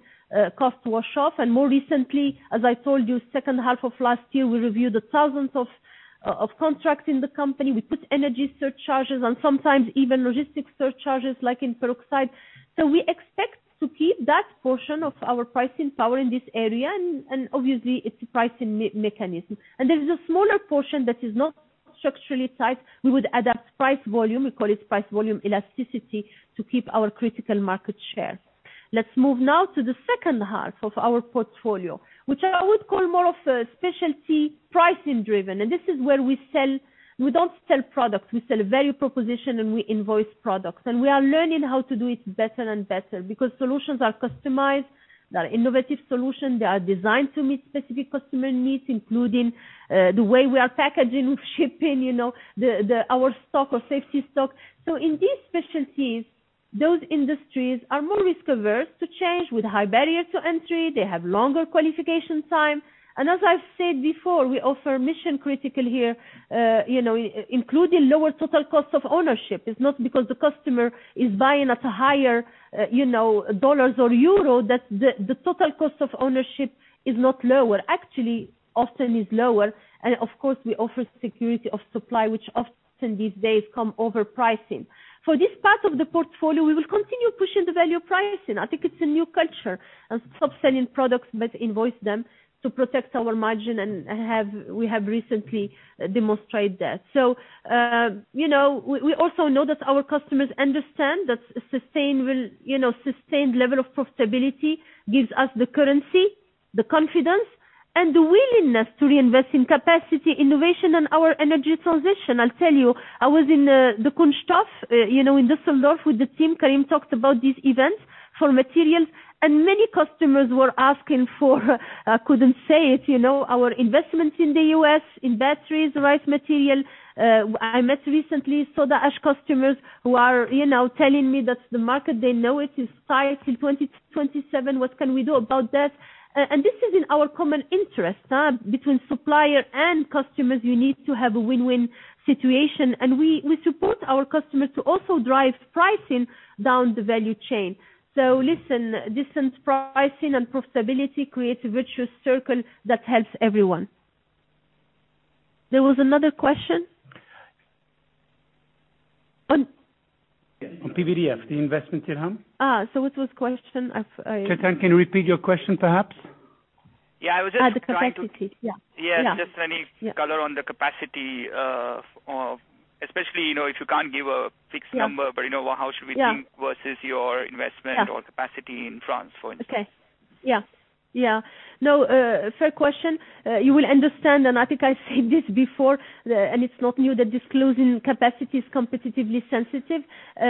Speaker 3: cost washoff. More recently, as I told you, second half of last year, we reviewed the thousands of contracts in the company. We put energy surcharges and sometimes even logistics surcharges like in peroxide. We expect to keep that portion of our pricing power in this area, and obviously it's a pricing mechanism. There is a smaller portion that is not structurally tight. We would adapt price volume, we call it price volume elasticity, to keep our critical market share. Let's move now to the second half of our portfolio, which I would call more of a specialty pricing driven. This is where we sell. We don't sell products, we sell value proposition, and we invoice products. We are learning how to do it better and better because solutions are customized. They are innovative solutions. They are designed to meet specific customer needs, including the way we are packaging, shipping, you know, our stock or safety stock. In these specialties, those industries are more risk-averse to change, with high barriers to entry, they have longer qualification time. As I've said before, we offer mission-critical here, including lower total cost of ownership. It's not because the customer is buying at a higher dollars or euro, that the total cost of ownership is not lower. Actually, often is lower. Of course, we offer security of supply, which often these days comes over pricing. For this part of the portfolio, we will continue pushing the value pricing. I think it's a new culture and stop selling products, but invoice them to protect our margin, and we have recently demonstrated that. you know, we also know that our customers understand that sustained level of profitability gives us the currency, the confidence and the willingness to reinvest in capacity, innovation and our energy transition. I'll tell you, I was in the K Show, you know, in Düsseldorf with the team. Karim talked about these events for Materials, and many customers were asking for, couldn't say it, you know, our investment in the U.S. in batteries, right material. I met recently soda ash customers who are, you know, telling me that the market, they know it is tight till 2027. What can we do about that? this is in our common interest, between supplier and customers. You need to have a win-win situation. We support our customers to also drive pricing down the value chain. Listen, decent pricing and profitability creates a virtuous circle that helps everyone. There was another question?
Speaker 4: On PVDF, the investment in Ham?
Speaker 3: What was question?
Speaker 4: Chetan, can you repeat your question perhaps?
Speaker 6: Yeah, I was just trying to.
Speaker 3: The capacity. Yeah.
Speaker 6: Yeah.
Speaker 3: Yeah.
Speaker 6: Just any color on the capacity, especially, you know, if you can't give a fixed number.
Speaker 3: Yeah.
Speaker 6: You know, how should we think?
Speaker 3: Yeah.
Speaker 6: versus your investment
Speaker 3: Yeah.
Speaker 6: or capacity in France, for instance.
Speaker 3: No, fair question. You will understand, and I think I said this before, it's not new that disclosing capacity is competitively sensitive.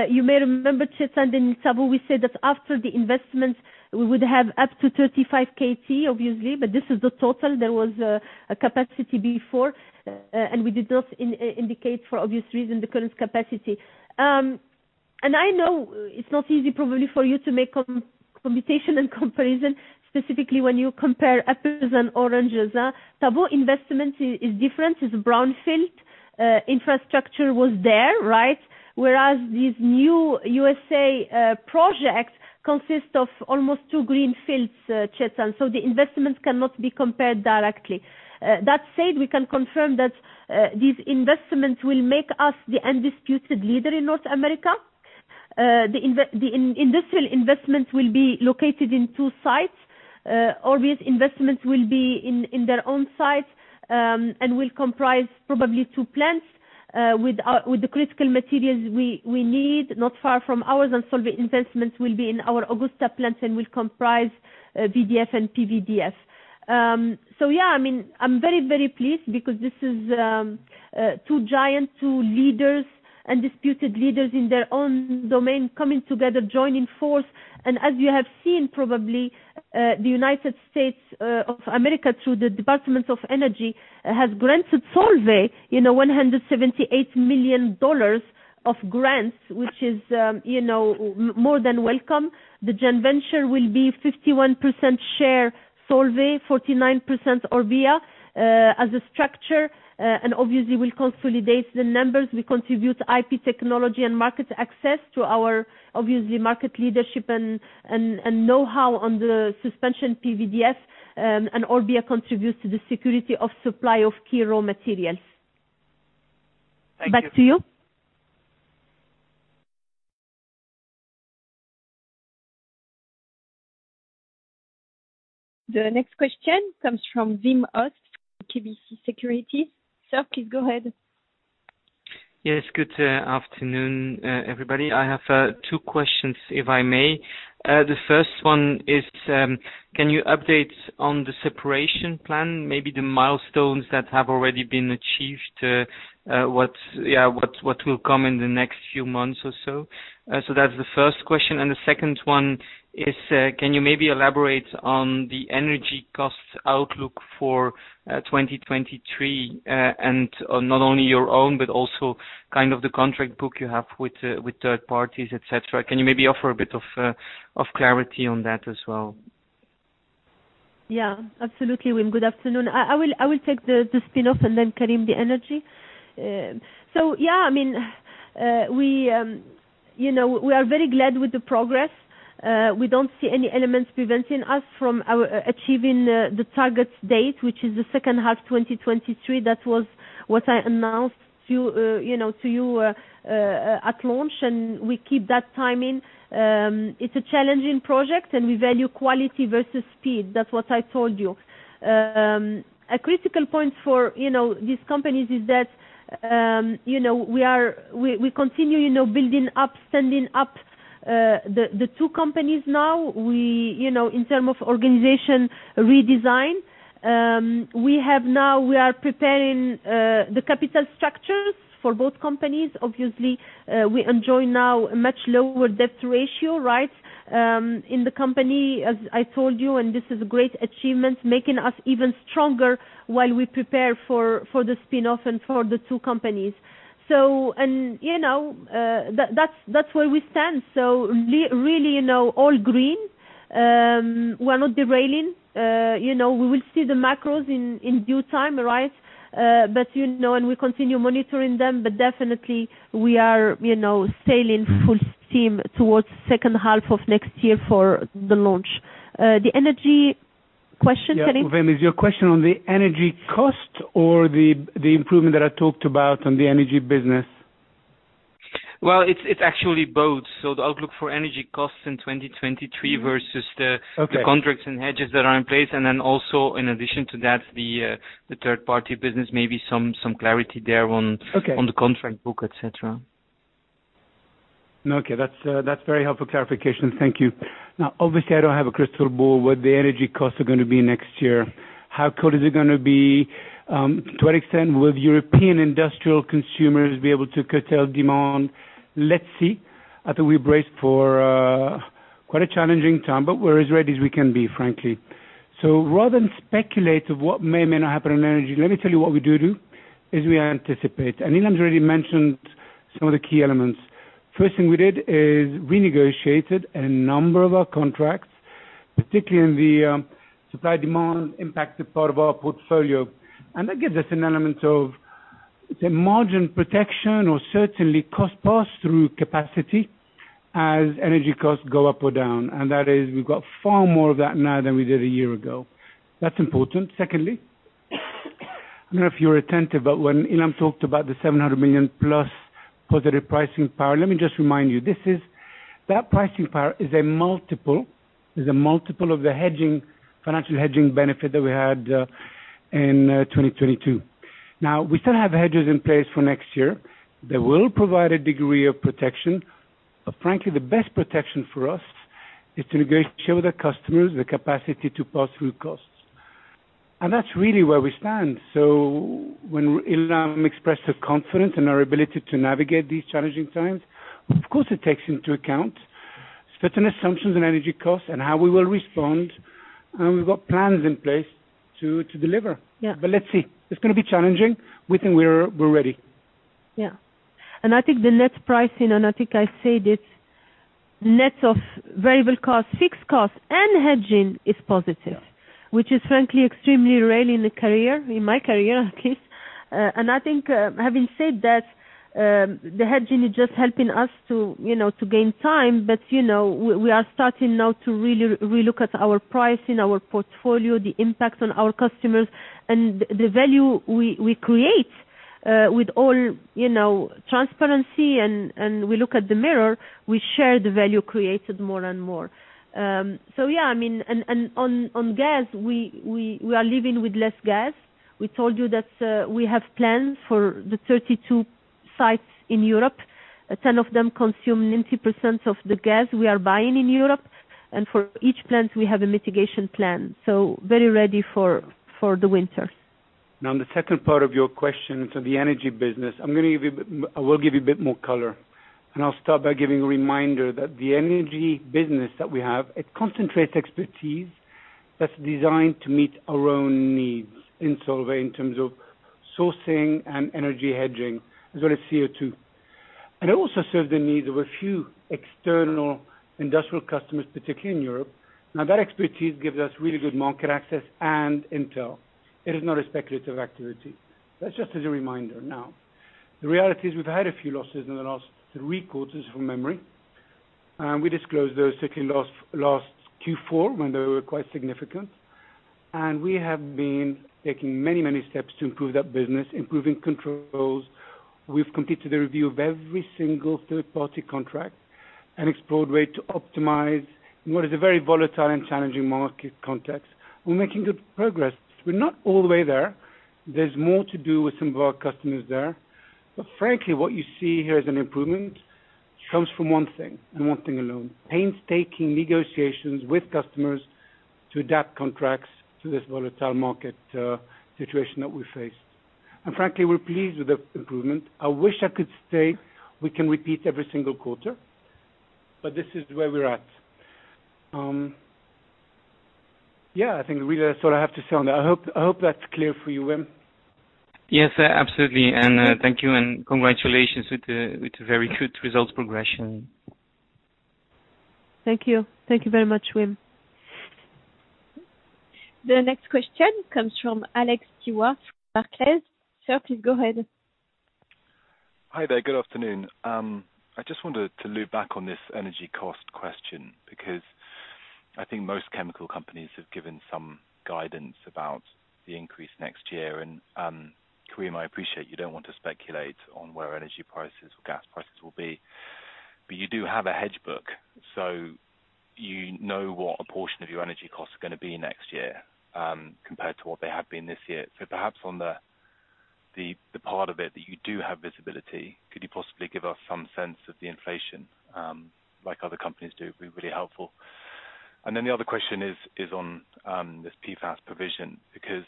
Speaker 3: You may remember, Chetan, in Tavaux, we said that after the investment, we would have up to 35 KT, obviously, but this is the total. There was a capacity before, and we did not indicate for obvious reasons, the current capacity. I know it's not easy probably for you to make computation and comparison, specifically when you compare apples and oranges. Tavaux investment is different, is brown field. Infrastructure was there, right? Whereas these new USA projects consist of almost two green fields, Chetan, so the investments cannot be compared directly. That said, we can confirm that these investments will make us the undisputed leader in North America. The industrial investments will be located in two sites. Orbia's investments will be in their own sites and will comprise probably two plants with the critical materials we need not far from ours, and Solvay investments will be in our Augusta plant and will comprise VDF and PVDF. I mean, I'm very pleased because this is two giants, two leaders, undisputed leaders in their own domain coming together, joining forces. As you have seen, probably, the United States of America, through the United States Department of Energy, has granted Solvay you know $178 million of grants, which is you know more than welcome. The joint venture will be 51% share Solvay, 49% Orbia as a structure and obviously we'll consolidate the numbers. We contribute IP technology and market access to our, obviously, market leadership and know-how on the suspension PVDF, and Orbia contributes to the security of supply of key raw materials.
Speaker 6: Thank you.
Speaker 1: Back to you. The next question comes from Wim Hoste, KBC Securities. Sir, please go ahead.
Speaker 7: Yes. Good afternoon, everybody. I have two questions, if I may. The first one is, can you update on the separation plan? Maybe the milestones that have already been achieved, what will come in the next few months or so. So that's the first question. The second one is, can you maybe elaborate on the energy cost outlook for 2023, and on not only your own, but also kind of the contract book you have with third parties, et cetera. Can you maybe offer a bit of clarity on that as well?
Speaker 3: Yeah, absolutely, Wim. Good afternoon. I will take the spin-off and then Karim the energy. So yeah, I mean, you know, we are very glad with the progress. We don't see any elements preventing us from achieving the target date, which is the second half 2023. That was what I announced to you know, to you at launch, and we keep that timing. It's a challenging project and we value quality versus speed. That's what I told you. A critical point for you know, these companies is that you know, we are. We continue you know, building up, standing up the two companies now. We you know, in terms of organization redesign, we have now, we are preparing the capital structures for both companies. Obviously, we enjoy now a much lower debt ratio, right? In the company, as I told you, and this is great achievement, making us even stronger while we prepare for the spin-off and for the two companies. You know, that's where we stand. Really, you know, all green. We're not derailing. You know, we will see the macros in due time, right? You know, we continue monitoring them, but definitely we are, you know, sailing full steam towards second half of next year for the launch. The energy question, Karim?
Speaker 4: Yeah. Wim, is your question on the energy cost or the improvement that I talked about on the energy business?
Speaker 7: Well, it's actually both. The outlook for energy costs in 2023 versus the-
Speaker 4: Okay.
Speaker 7: the contracts and hedges that are in place, and then also in addition to that, the third party business, maybe some clarity there on
Speaker 4: Okay.
Speaker 7: On the contract book, et cetera.
Speaker 4: Okay. That's very helpful clarification. Thank you. Now, obviously I don't have a crystal ball what the energy costs are gonna be next year. How cold is it gonna be? To what extent will European industrial consumers be able to curtail demand? Let's see. I think we're braced for quite a challenging time, but we're as ready as we can be, frankly. Rather than speculate of what may or may not happen in energy, let me tell you what we do, is we anticipate. Ilham Kadri already mentioned some of the key elements. First thing we did is renegotiated a number of our contracts, particularly in the supply-and-demand impacted part of our portfolio. That gives us an element of, say, margin protection or certainly cost pass-through capacity as energy costs go up or down. That is, we've got far more of that now than we did a year ago. That's important. Secondly. I don't know if you were attentive, but when Ilham talked about the 700 million-plus positive pricing power, let me just remind you, this is that pricing power is a multiple of the hedging, financial hedging benefit that we had in 2022. Now, we still have hedges in place for next year that will provide a degree of protection. Frankly, the best protection for us is to negotiate with our customers the capacity to pass through costs. That's really where we stand. When Ilham expressed her confidence in our ability to navigate these challenging times, of course it takes into account certain assumptions in energy costs and how we will respond, and we've got plans in place to deliver.
Speaker 3: Yeah.
Speaker 4: Let's see. It's gonna be challenging. We think we're ready.
Speaker 3: Yeah. I think the net pricing, and I think I said it, net of variable costs, fixed costs, and hedging is positive.
Speaker 4: Yeah.
Speaker 3: Which is frankly extremely rare in a career, in my career at least. I think, having said that, the hedging is just helping us to, you know, to gain time. You know, we are starting now to really re-look at our pricing, our portfolio, the impact on our customers. The value we create with all you know transparency and we look at the mirror, we share the value created more and more. Yeah, I mean, on gas, we are living with less gas. We told you that we have plans for the 32 sites in Europe. Ten of them consume 90% of the gas we are buying in Europe. For each plant we have a mitigation plan. Very ready for the winter.
Speaker 4: Now, on the second part of your question to the energy business, I will give you a bit more color, and I'll start by giving a reminder that the energy business that we have, it concentrates expertise that's designed to meet our own needs in Solvay in terms of sourcing and energy hedging, as well as CO2. It also serves the needs of a few external industrial customers, particularly in Europe. Now, that expertise gives us really good market access and intel. It is not a speculative activity. That's just as a reminder. Now, the reality is we've had a few losses in the last three quarters from memory. We disclosed those, certainly last Q4 when they were quite significant. We have been taking many, many steps to improve that business, improving controls. We've completed a review of every single third-party contract and explored ways to optimize in what is a very volatile and challenging market context. We're making good progress. We're not all the way there. There's more to do with some of our customers there. Frankly, what you see here as an improvement comes from one thing and one thing alone, painstaking negotiations with customers to adapt contracts to this volatile market situation that we face. Frankly, we're pleased with the improvement. I wish I could say we can repeat every single quarter, but this is where we're at. Yeah, I think really that's all I have to say on that. I hope that's clear for you, Wim.
Speaker 7: Yes, absolutely. Thank you and congratulations with the very good results progression.
Speaker 1: Thank you. Thank you very much, Wim. The next question comes from Alex Stewart from Barclays. Sir, please go ahead.
Speaker 8: Hi there. Good afternoon. I just wanted to loop back on this energy cost question, because I think most chemical companies have given some guidance about the increase next year. Karim, I appreciate you don't want to speculate on where energy prices or gas prices will be. But you do have a hedge book, so you know what a portion of your energy costs are gonna be next year, compared to what they have been this year. Perhaps on the part of it that you do have visibility, could you possibly give us some sense of the inflation, like other companies do? It'd be really helpful. The other question is on this PFAS provision, because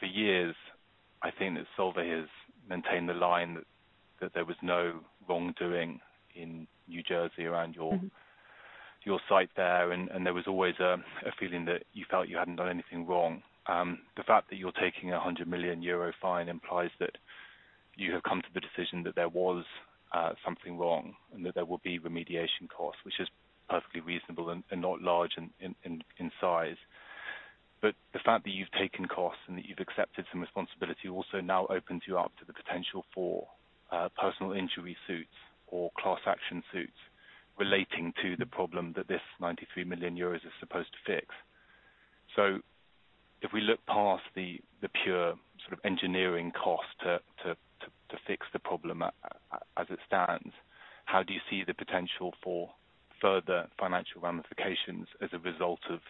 Speaker 8: for years, I think that Solvay has maintained the line that there was no wrongdoing in New Jersey around your-
Speaker 3: Mm-hmm.
Speaker 8: At your site there, and there was always a feeling that you felt you hadn't done anything wrong. The fact that you're taking a 100 million euro fine implies that you have come to the decision that there was something wrong and that there will be remediation costs, which is perfectly reasonable and not large in size. The fact that you've taken costs and that you've accepted some responsibility also now opens you up to the potential for personal injury suits or class action suits relating to the problem that this 93 million euros is supposed to fix. If we look past the pure sort of engineering cost to fix the problem as it stands, how do you see the potential for further financial ramifications as a result of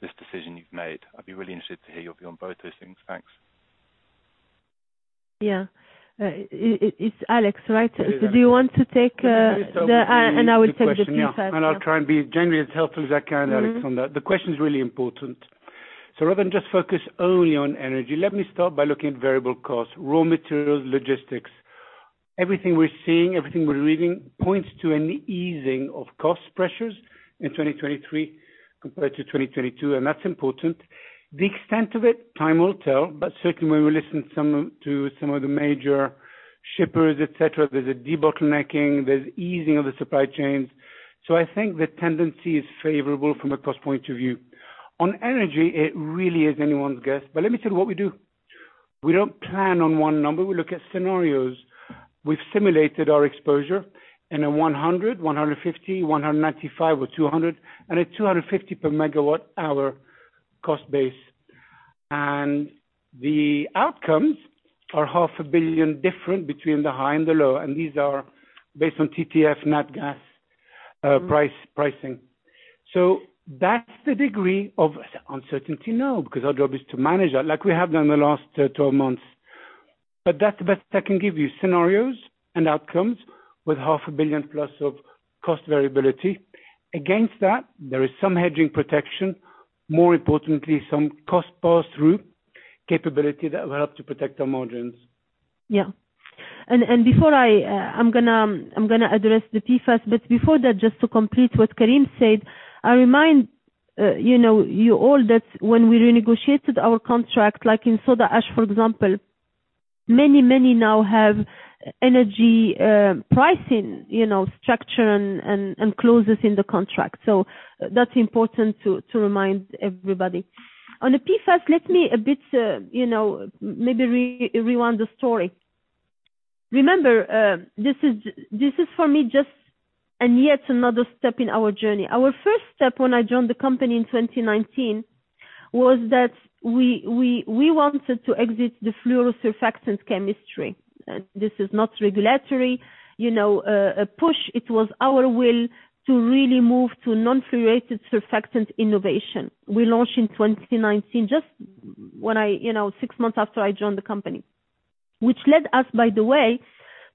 Speaker 8: this decision you've made? I'd be really interested to hear your view on both those things. Thanks.
Speaker 3: Yeah. It's Alex, right?
Speaker 8: It is, yeah.
Speaker 3: Do you want to take? I will take the PFAS, yeah.
Speaker 4: I'll try and be genuinely as helpful as I can, Alex, on that.
Speaker 3: Mm-hmm.
Speaker 4: The question is really important. Rather than just focus only on energy, let me start by looking at variable costs, raw materials, logistics. Everything we're seeing, everything we're reading, points to an easing of cost pressures in 2023 compared to 2022, and that's important. The extent of it, time will tell, but certainly we will listen to some of the major shippers, et cetera. There's a debottlenecking, there's easing of the supply chains. I think the tendency is favorable from a cost point of view. On energy, it really is anyone's guess, but let me tell you what we do. We don't plan on one number. We look at scenarios. We've simulated our exposure in a 100, 150, 195 or 200, and a 250 per MWh cost base. The outcomes are EUR half a billion different between the high and the low, and these are based on TTF net gas pricing. That's the degree of uncertainty now, because our job is to manage that like we have done in the last twelve months. That's the best I can give you, scenarios and outcomes with EUR half a billion plus of cost variability. Against that, there is some hedging protection, more importantly, some cost pass-through capability that will help to protect our margins.
Speaker 3: Before I address the PFAS, just to complete what Karim said, I remind you all that when we renegotiated our contract, like in soda ash, for example, many now have energy pricing structure and clauses in the contract. So that's important to remind everybody. On the PFAS, let me a bit maybe rewind the story. Remember, this is for me just yet another step in our journey. Our first step when I joined the company in 2019 was that we wanted to exit the fluorosurfactant chemistry. This is not regulatory push. It was our will to really move to non-fluorinated surfactant innovation. We launched in 2019, just when I, you know, six months after I joined the company. Which led us, by the way,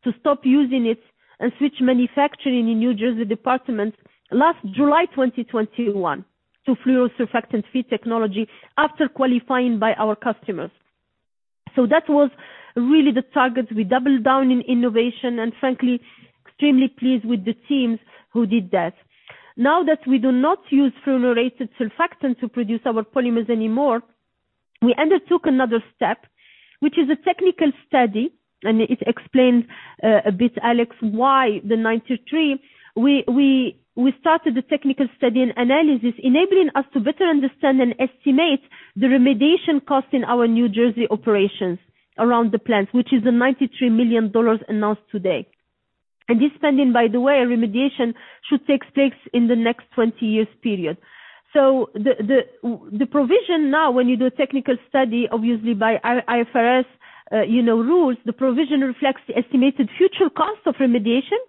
Speaker 3: to stop using it and switch manufacturing in New Jersey plant last July 2021 to fluorosurfactant-free technology after qualifying by our customers. That was really the target. We doubled down in innovation and frankly, extremely pleased with the teams who did that. Now that we do not use fluorinated surfactant to produce our polymers anymore, we undertook another step, which is a technical study, and it explains a bit, Alex, why the 93. We started the technical study and analysis enabling us to better understand and estimate the remediation cost in our New Jersey operations around the plant, which is the $93 million announced today. This spending, by the way, remediation should take place in the next 20 years period. The provision now when you do a technical study, obviously by IFRS rules, the provision reflects the estimated future cost of remediation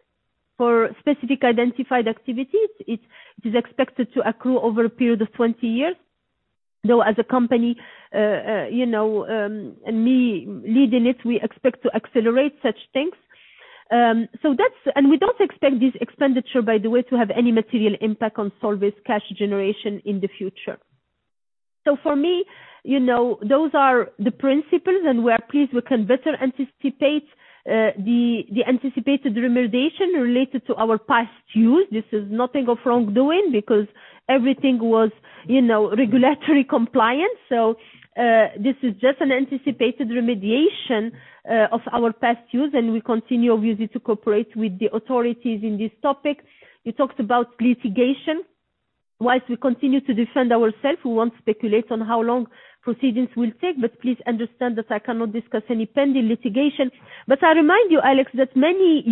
Speaker 3: for specific identified activities. It is expected to accrue over a period of 20 years. Though as a company, me leading it, we expect to accelerate such things. We don't expect this expenditure, by the way, to have any material impact on Solvay's cash generation in the future. For me, those are the principles, and we're pleased we can better anticipate the anticipated remediation related to our past use. This is nothing of wrongdoing because everything was regulatory compliant. This is just an anticipated remediation of our past use, and we continue obviously to cooperate with the authorities in this topic. You talked about litigation. While we continue to defend ourselves, we won't speculate on how long proceedings will take, but please understand that I cannot discuss any pending litigation. I remind you, Alex, that many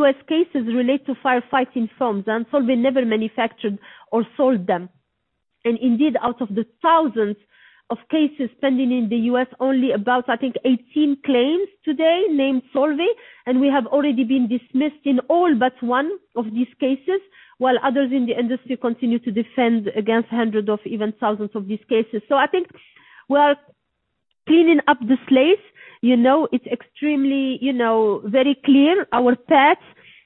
Speaker 3: U.S. cases relate to firefighting foams, and Solvay never manufactured or sold them. Indeed, out of the thousands of cases pending in the U.S., only about, I think, 18 claims to date named Solvay, and we have already been dismissed in all but one of these cases, while others in the industry continue to defend against hundreds of even thousands of these cases. I think we are cleaning up the slates. You know, it's extremely, you know, very clear, our path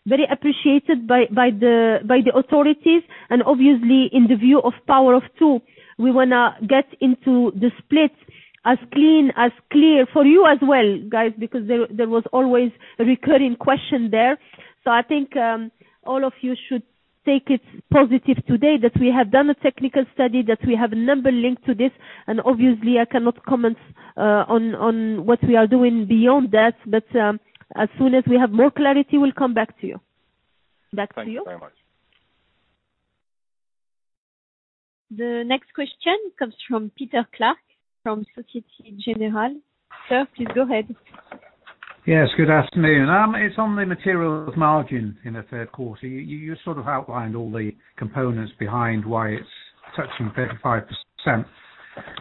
Speaker 3: very appreciated by the authorities, and obviously in the view of Power of Two, we wanna get into the split as clean, as clear for you as well, guys, because there was always a recurring question there. I think all of you should take it positive today that we have done a technical study, that we have a number linked to this. Obviously, I cannot comment on what we are doing beyond that. As soon as we have more clarity, we'll come back to you. Back to you.
Speaker 8: Thank you very much.
Speaker 1: The next question comes from Peter Clark from Société Générale. Sir, please go ahead.
Speaker 9: Yes, good afternoon. It's on the Materials margin in the third quarter. You sort of outlined all the components behind why it's touching 35%.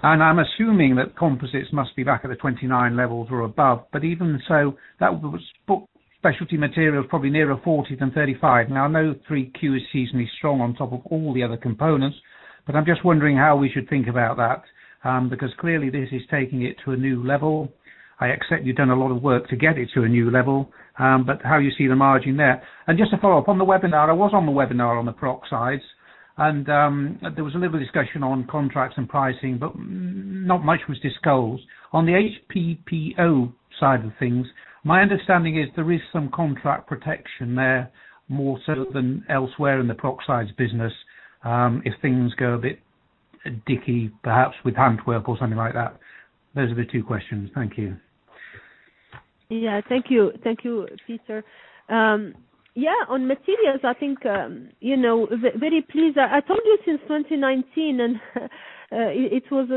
Speaker 9: I'm assuming that Composites must be back at the 29% levels or above. Even so, that was both Specialty Materials probably nearer 40% than 35%. Now, I know 3Q is seasonally strong on top of all the other components, but I'm just wondering how we should think about that, because clearly this is taking it to a new level. I accept you've done a lot of work to get it to a new level, but how you see the margin there? Just to follow up, on the webinar, I was on the webinar on the peroxides, and there was a little discussion on contracts and pricing, but not much was disclosed. On the HPPO side of things, my understanding is there is some contract protection there, more so than elsewhere in the peroxides business, if things go a bit dicky, perhaps with handover or something like that. Those are the two questions. Thank you.
Speaker 3: Yeah. Thank you. Thank you, Peter. Yeah, on Materials, I think, you know, very pleased. I told you since 2019 and it was,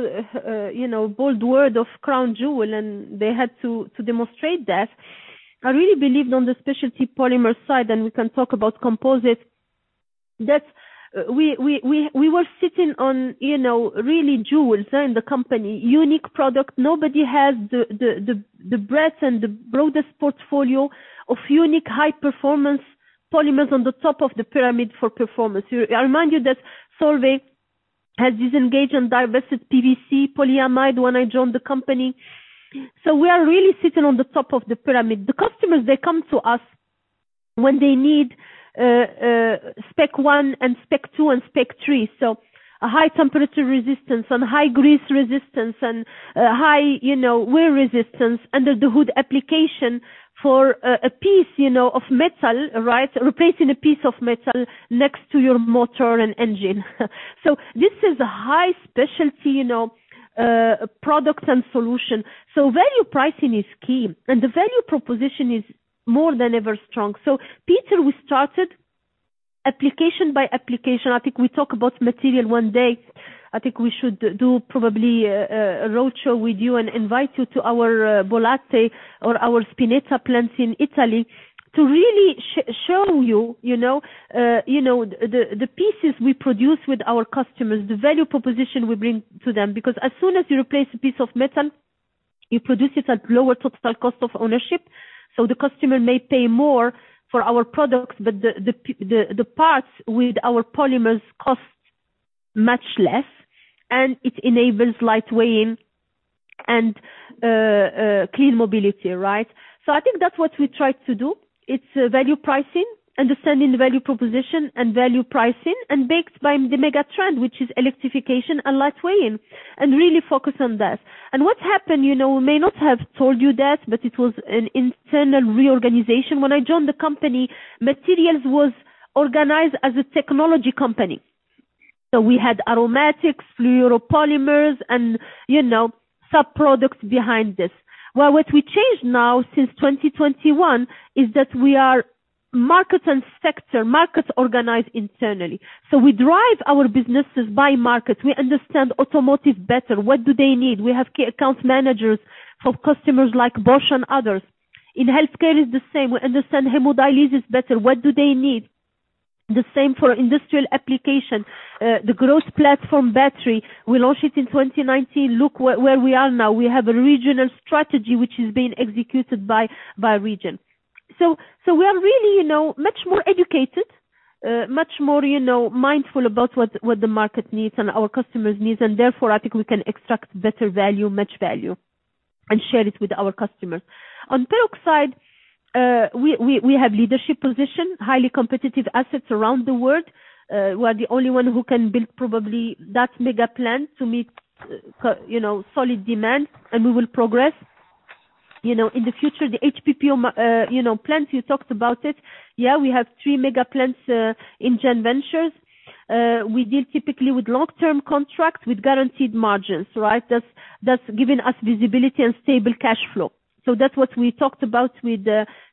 Speaker 3: you know, called it the crown jewel, and they had to demonstrate that. I really believed in the specialty polymer side, and we can talk about composites, that we were sitting on, you know, really jewels in the company. Unique product. Nobody has the breadth and the broadest portfolio of unique high performance polymers on the top of the pyramid for performance. I remind you that Solvay has disengaged and divested PVC and polyamide when I joined the company. We are really sitting on the top of the pyramid. The customers, they come to us when they need spec one and spec two and spec three. A high temperature resistance and high grease resistance and high, you know, wear resistance under the hood application for a piece, you know, of metal, right? Replacing a piece of metal next to your motor and engine. This is a high specialty, you know, product and solution. Peter, we started application by application. I think we talk about material one day. I think we should do probably a roadshow with you and invite you to our Bollate or our Spinetta plants in Italy to really show you know, the pieces we produce with our customers, the value proposition we bring to them. Because as soon as you replace a piece of metal, you produce it at lower total cost of ownership. The customer may pay more for our products, but the parts with our polymers cost much less, and it enables lightweight and clean mobility, right? I think that's what we try to do. It's value pricing, understanding the value proposition and value pricing, and backed by the mega trend, which is electrification and lightweight, and really focus on that. What's happened, you know, may not have told you that, but it was an internal reorganization. When I joined the company, Materials was organized as a technology company. We had aromatics, fluoropolymers and, you know, sub-products behind this. Well, what we changed now since 2021 is that we are market and sector, markets organized internally. We drive our businesses by market. We understand automotive better. What do they need? We have account managers for customers like Bosch and others. In healthcare, it's the same. We understand hemodialysis better. What do they need? The same for industrial application. The growth platform battery, we launched it in 2019. Look where we are now. We have a regional strategy which is being executed by region. We are really, you know, much more educated, much more, you know, mindful about what the market needs and our customers needs, and therefore I think we can extract better value, much value, and share it with our customers. On Peroxides, we have leadership position, highly competitive assets around the world. We are the only one who can build probably that megaplant to meet, you know, solid demand, and we will progress. You know, in the future, the HPPO, you know, plants, you talked about it. Yeah, we have three mega plants in joint ventures. We deal typically with long-term contracts with guaranteed margins, right? That's given us visibility and stable cash flow. That's what we talked about with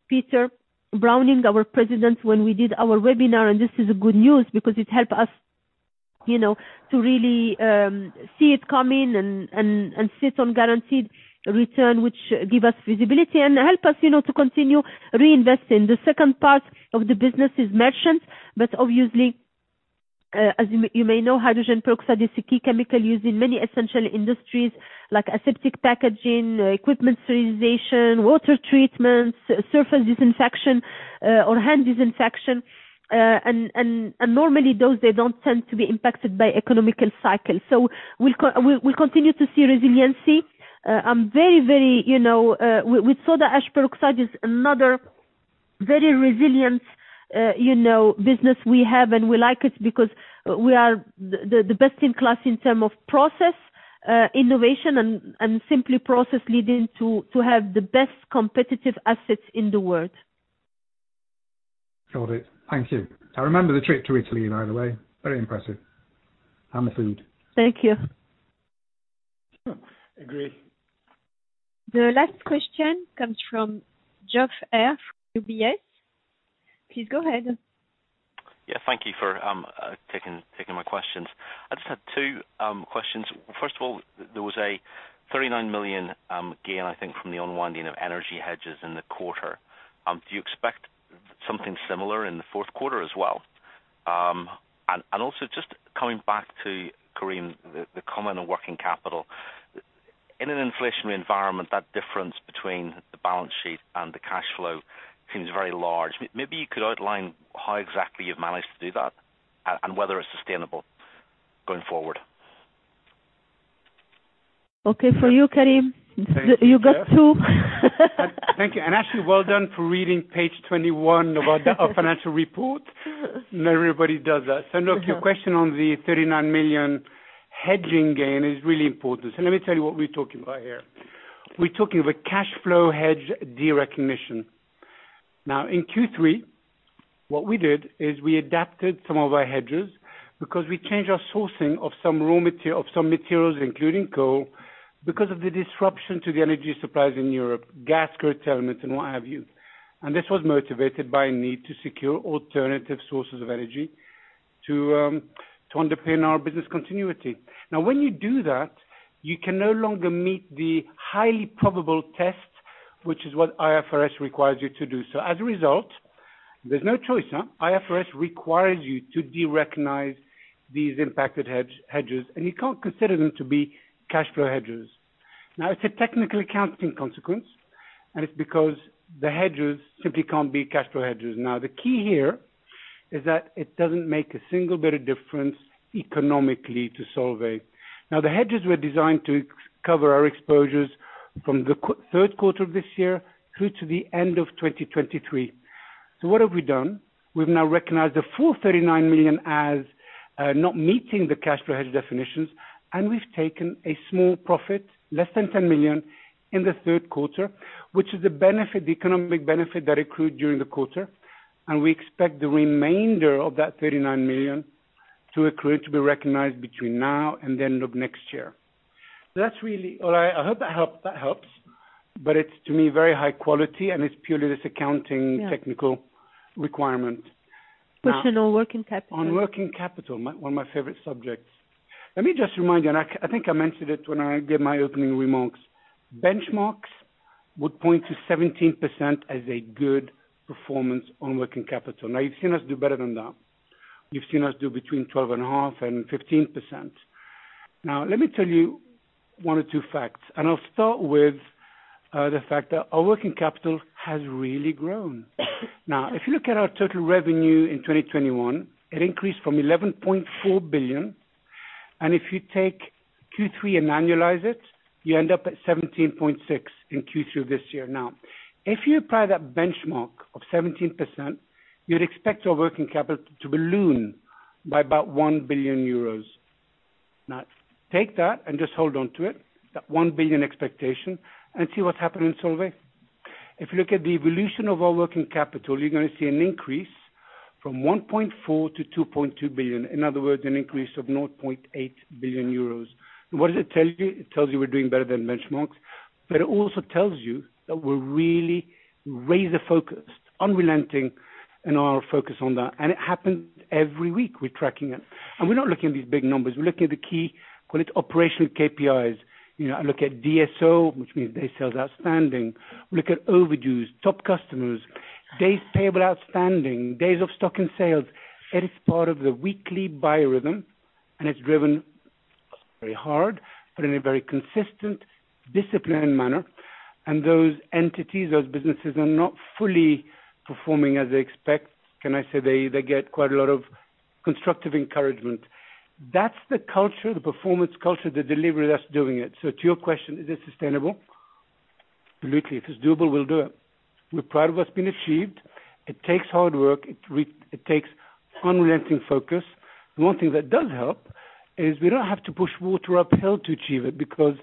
Speaker 3: Peter Browning, our President, when we did our webinar. This is a good news because it help us, you know, to really see it coming and sit on guaranteed return, which give us visibility and help us, you know, to continue reinvesting. The second part of the business is merchant. Obviously, as you may know, hydrogen peroxide is a key chemical used in many essential industries like aseptic packaging, equipment sterilization, water treatment, surface disinfection, or hand disinfection. Normally those they don't tend to be impacted by economic cycle. We continue to see resiliency. I'm very, you know, with soda ash, peroxide is another very resilient, you know, business we have, and we like it because we are the best in class in terms of process innovation and simple process leading to have the best competitive assets in the world.
Speaker 9: Got it. Thank you. I remember the trip to Italy, by the way. Very impressive. The food.
Speaker 3: Thank you.
Speaker 4: Agree.
Speaker 1: The last question comes from Geoff Haire from UBS. Please go ahead.
Speaker 10: Yeah. Thank you for taking my questions. I just had two questions. First of all, there was a 39 million gain, I think, from the unwinding of energy hedges in the quarter. Do you expect something similar in the fourth quarter as well? Also just coming back to Karim, the comment on working capital. In an inflationary environment, that difference between the balance sheet and the cash flow seems very large. Maybe you could outline how exactly you've managed to do that and whether it's sustainable going forward.
Speaker 3: Okay. For you, Karim.
Speaker 4: Thank you.
Speaker 3: You got two.
Speaker 4: Thank you. Actually, well done for reading page 21 about our financial report. Not everybody does that. Look, your question on the 39 million hedging gain is really important. Let me tell you what we're talking about here. We're talking of a cash flow hedge derecognition. Now, in Q3, what we did is we adapted some of our hedges because we changed our sourcing of some raw materials, including coal, because of the disruption to the energy supplies in Europe, gas curtailment and what have you. This was motivated by a need to secure alternative sources of energy to underpin our business continuity. Now, when you do that, you can no longer meet the highly probable test, which is what IFRS requires you to do. As a result, there's no choice. IFRS requires you to derecognize these impacted hedges, and you can't consider them to be cash flow hedges. Now, it's a technical accounting consequence, and it's because the hedges simply can't be cash flow hedges. Now, the key here is that it doesn't make a single bit of difference economically to Solvay. Now, the hedges were designed to cover our exposures from the third quarter of this year through to the end of 2023. What have we done? We've now recognized the full 39 million as not meeting the cash flow hedge definitions, and we've taken a small profit, less than 10 million, in the third quarter, which is the benefit, the economic benefit that accrued during the quarter. We expect the remainder of that 39 million to accrue, to be recognized between now and the end of next year. That's really all right. That helps. It's, to me, very high quality, and it's purely this accounting.
Speaker 3: Yeah.
Speaker 4: technical requirement. Now
Speaker 3: Question on working capital.
Speaker 4: On working capital, my one of my favorite subjects. Let me just remind you, I think I mentioned it when I gave my opening remarks. Benchmarks would point to 17% as a good performance on working capital. Now, you've seen us do better than that. You've seen us do between 12.5% and 15%. Now, let me tell you one or two facts, I'll start with the fact that our working capital has really grown. Now, if you look at our total revenue in 2021, it increased from 11.4 billion. If you take Q3 and annualize it, you end up at 17.6 billion in Q3 of this year. Now, if you apply that benchmark of 17%, you'd expect our working capital to balloon by about 1 billion euros. Now, take that and just hold on to it, that 1 billion expectation, and see what's happened in Solvay. If you look at the evolution of our working capital, you're gonna see an increase from 1.4 billion to 2.2 billion. In other words, an increase of 0.8 billion euros. What does it tell you? It tells you we're doing better than benchmarks, but it also tells you that we're really razor-focused, unrelenting in our focus on that. It happens every week. We're tracking it. We're not looking at these big numbers. We're looking at the key, call it operational KPIs. You know, I look at DSO, which means day sales outstanding. We look at overdues, top customers, days payable outstanding, days of stock and sales. It is part of the weekly biorhythm, and it's driven very hard but in a very consistent, disciplined manner. Those entities, those businesses are not fully performing as they expect. Can I say they get quite a lot of constructive encouragement. That's the culture, the performance culture, the delivery that's doing it. To your question, is this sustainable? Absolutely. If it's doable, we'll do it. We're proud of what's been achieved. It takes hard work. It takes unrelenting focus. The one thing that does help is we don't have to push water uphill to achieve it because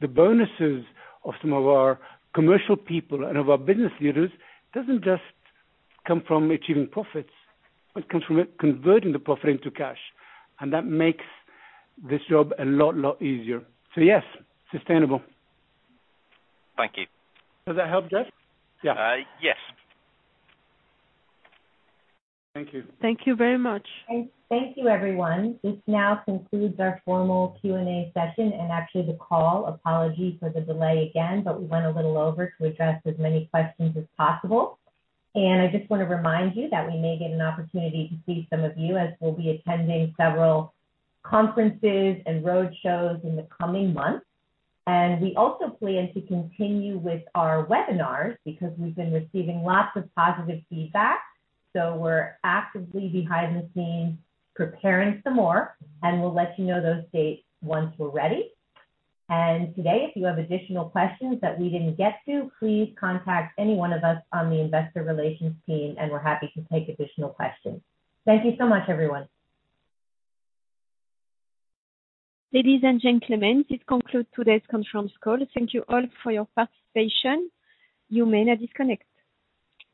Speaker 4: the bonuses of some of our commercial people and of our business leaders doesn't just come from achieving profits. It comes from converting the profit into cash, and that makes this job a lot easier. Yes, sustainable.
Speaker 10: Thank you.
Speaker 4: Does that help, Geoff? Yeah.
Speaker 10: Yes. Thank you.
Speaker 1: Thank you very much.
Speaker 2: Thank you, everyone. This now concludes our formal Q&A session and actually the call. Apologies for the delay again, but we went a little over to address as many questions as possible. I just wanna remind you that we may get an opportunity to see some of you as we'll be attending several conferences and roadshows in the coming months. We also plan to continue with our webinars because we've been receiving lots of positive feedback, so we're actively behind the scenes preparing some more, and we'll let you know those dates once we're ready. Today, if you have additional questions that we didn't get to, please contact any one of us on the investor relations team, and we're happy to take additional questions. Thank you so much, everyone.
Speaker 1: Ladies and gentlemen, this concludes today's conference call. Thank you all for your participation. You may now disconnect.